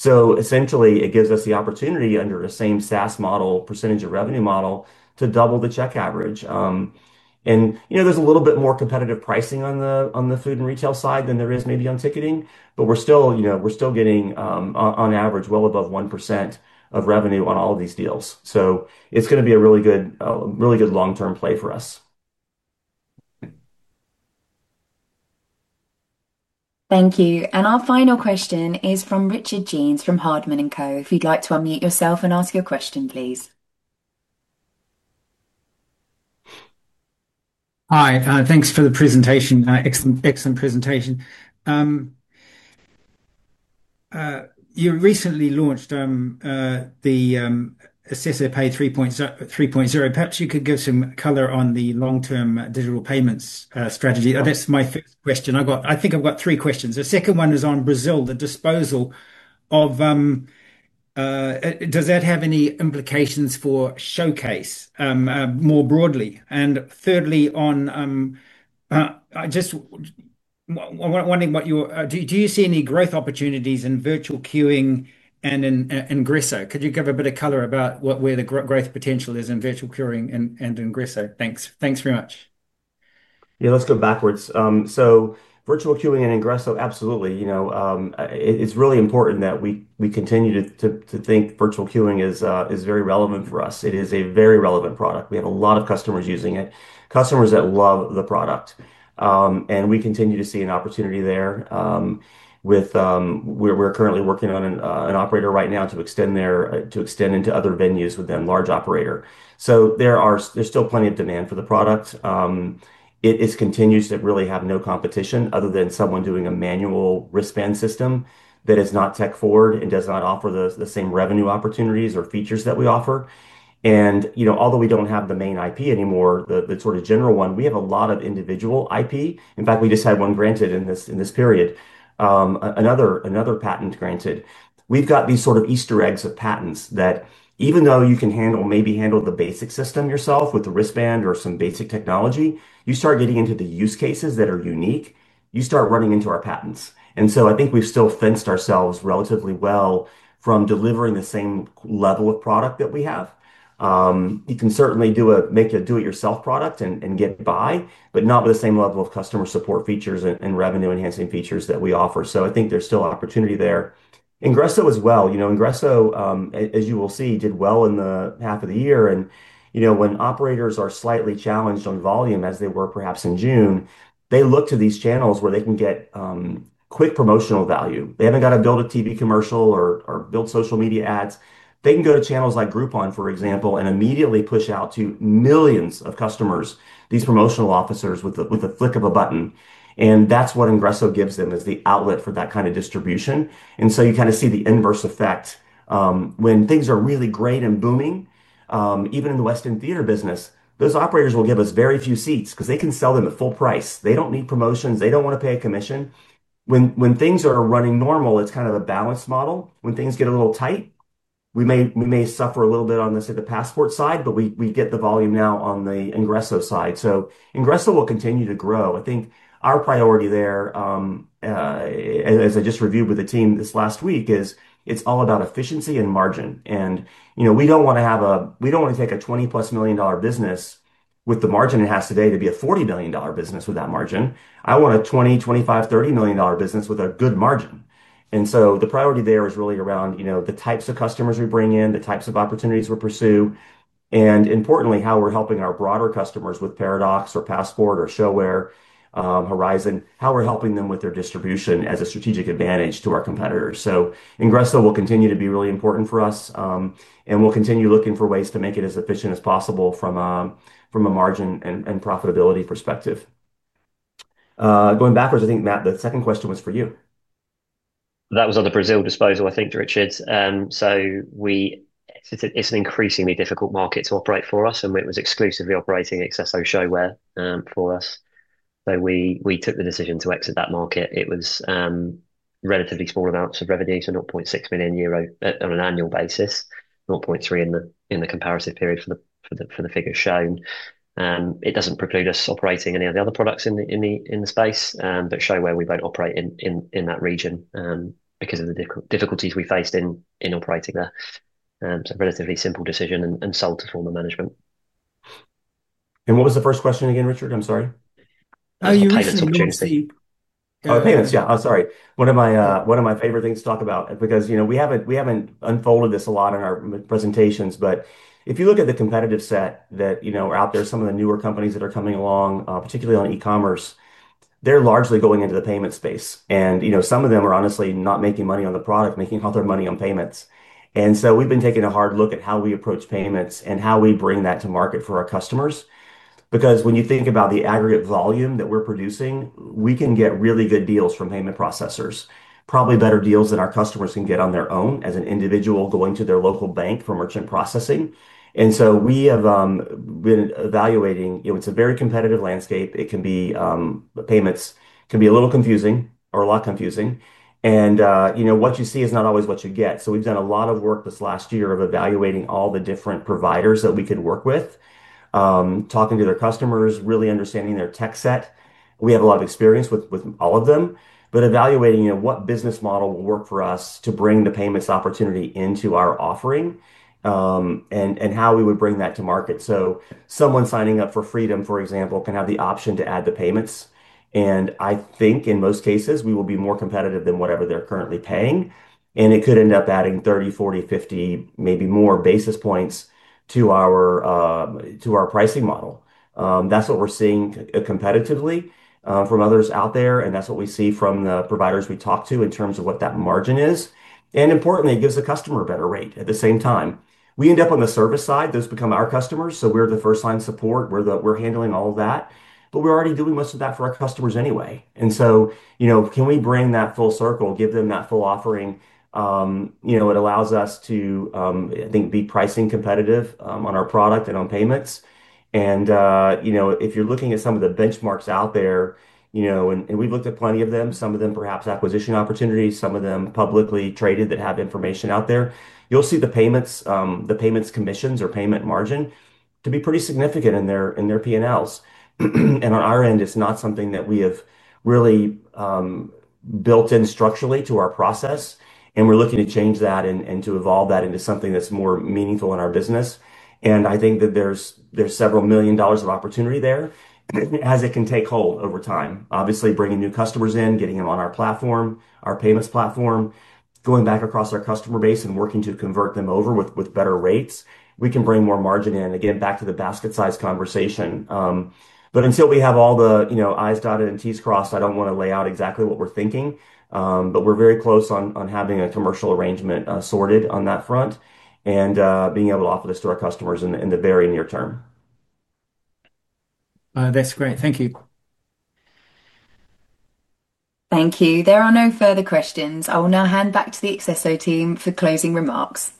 Essentially, it gives us the opportunity under the same SaaS model, percentage of revenue model, to double the check average. There's a little bit more competitive pricing on the food and retail side than there is maybe on ticketing, but we're still, you know, we're still getting on average well above 1% of revenue on all of these deals. It's going to be a really good, really good long-term play for us. Thank you. Our final question is from Richard Jeans from Hardman & Co. If you'd like to unmute yourself and ask your question, please. Hi, thanks for the presentation. Excellent, excellent presentation. You recently launched the Assistive Pay 3.0. Perhaps you could give some color on the long-term digital payments strategy. That's my question. I think I've got three questions. The second one is on Brazil, the disposal of, does that have any implications for ShoWare more broadly? Thirdly, I'm just wondering what you're, do you see any growth opportunities in virtual queuing and in Ingresso? Could you give a bit of color about where the growth potential is in virtual queuing and Ingresso? Thanks, thanks very much. Yeah, let's go backwards. Virtual queuing and Ingresso, absolutely. It's really important that we continue to think virtual queuing is very relevant for us. It is a very relevant product. We have a lot of customers using it, customers that love the product. We continue to see an opportunity there with, we're currently working on an operator right now to extend into other venues with that large operator. There's still plenty of demand for the product. It continues to really have no competition other than someone doing a manual wristband system that is not tech-forward and does not offer the same revenue opportunities or features that we offer. Although we don't have the main IP anymore, the sort of general one, we have a lot of individual IP. In fact, we just had one granted in this period, another patent granted. We've got these sort of Easter eggs of patents that even though you can maybe handle the basic system yourself with the wristband or some basic technology, you start getting into the use cases that are unique, you start running into our patents. I think we've still fenced ourselves relatively well from delivering the same level of product that we have. You can certainly do a do-it-yourself product and get by, but not with the same level of customer support features and revenue-enhancing features that we offer. I think there's still opportunity there. Ingresso as well, Ingresso, as you will see, did well in the half of the year. When operators are slightly challenged on volume, as they were perhaps in June, they look to these channels where they can get quick promotional value. They haven't got to build a TV commercial or build social media ads. They can go to channels like Groupon, for example, and immediately push out to millions of customers these promotional offers with a flick of a button. That's what Ingresso gives them, the outlet for that kind of distribution. You kind of see the inverse effect. When things are really great and booming, even in the Western theater business, those operators will give their. Few seats because they can sell them at full price. They don't need promotions. They don't want to pay a commission. When things are running normal, it's kind of a balanced model. When things get a little tight, we may suffer a little bit on the, say, the Passport side, but we get the volume now on the Ingresso side. Ingresso will continue to grow. I think our priority there, as I just reviewed with the team this last week, is it's all about efficiency and margin. We don't want to take a $20+ million business with the margin it has today to be a $40 million business with that margin. I want a $20, $25, $30 million business with a good margin. The priority there is really around the types of customers we bring in, the types of opportunities we pursue, and importantly, how we're helping our broader customers with Paradox or Passport or ShoWare, Horizon, how we're helping them with their distribution as a strategic advantage to our competitors. Ingresso will continue to be really important for us, and we'll continue looking for ways to make it as efficient as possible from a margin and profitability perspective. Going backwards, I think, Matt, the second question was for you. That was on the Brazil disposal, I think, Richard. It's an increasingly difficult market to operate for us, and it was exclusively operating accesso ShoWare for us. We took the decision to exit that market. It was relatively small amounts of revenue, so €0.6 million on an annual basis, €0.3 million in the comparative period for the figure shown. It doesn't preclude us operating any of the other products in the space, but ShoWare we won't operate in that region because of the difficulties we faced in operating there. A relatively simple decision and sold to former management. What was the first question again, Richard? I'm sorry. Oh, you were just saying the seat. Oh, hey, that's, yeah, I'm sorry. One of my favorite things to talk about because, you know, we haven't unfolded this a lot in our presentations, but if you look at the competitive set that are out there, some of the newer companies that are coming along, particularly on e-commerce, they're largely going into the payment space. Some of them are honestly not making money on the product, making all their money on payments. We've been taking a hard look at how we approach payments and how we bring that to market for our customers. When you think about the aggregate volume that we're producing, we can get really good deals from payment processors, probably better deals than our customers can get on their own as an individual going to their local bank for merchant processing. We have been evaluating, you know, it's a very competitive landscape. Payments can be a little confusing or a lot confusing. What you see is not always what you get. We've done a lot of work this last year of evaluating all the different providers that we could work with, talking to their customers, really understanding their tech set. We have a lot of experience with all of them, but evaluating what business model will work for us to bring the payments opportunity into our offering and how we would bring that to market. Someone signing up for Accesso Freedom, for example, can have the option to add the payments. I think in most cases, we will be more competitive than whatever they're currently paying. It could end up adding 30, 40, 50, maybe more basis points to our pricing model. That's what we're seeing competitively from others out there. That's what we see from the providers we talk to in terms of what that margin is. Importantly, it gives the customer a better rate at the same time. We end up on the service side. Those become our customers. We're the first line support. We're handling all of that. We're already doing most of that for our customers anyway. Can we bring that full circle, give them that full offering? It allows us to, I think, be pricing competitive on our product and on payments. If you're looking at some of the benchmarks out there, and we've looked at plenty of them, some of them perhaps acquisition opportunities, some of them publicly traded that have information out there, you'll see the payments, the payments commissions or payment margin to be pretty significant in their P&Ls. On our end, it's not something that we have really built in structurally to our process. We're looking to change that and to evolve that into something that's more meaningful in our business. I think that there's several million dollars of opportunity there as it can take hold over time. Obviously, bringing new customers in, getting them on our platform, our payments platform, going back across our customer base and working to convert them over with better rates, we can bring more margin in. Again, back to the basket size conversation. Until we have all the i's dotted and t's crossed, I don't want to lay out exactly what we're thinking. We're very close on having a commercial arrangement sorted on that front and being able to offer this to our customers in the very near term. That's great. Thank you. Thank you. There are no further questions. I will now hand back to the executive team for closing remarks.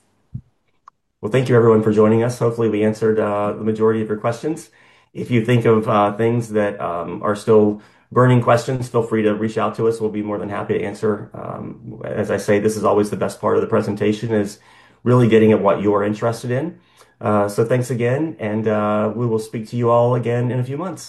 Thank you everyone for joining us. Hopefully, we answered the majority of your questions. If you think of things that are still burning questions, feel free to reach out to us. We'll be more than happy to answer. As I say, this is always the best part of the presentation, really getting at what you are interested in. Thanks again. We will speak to you all again in a few months.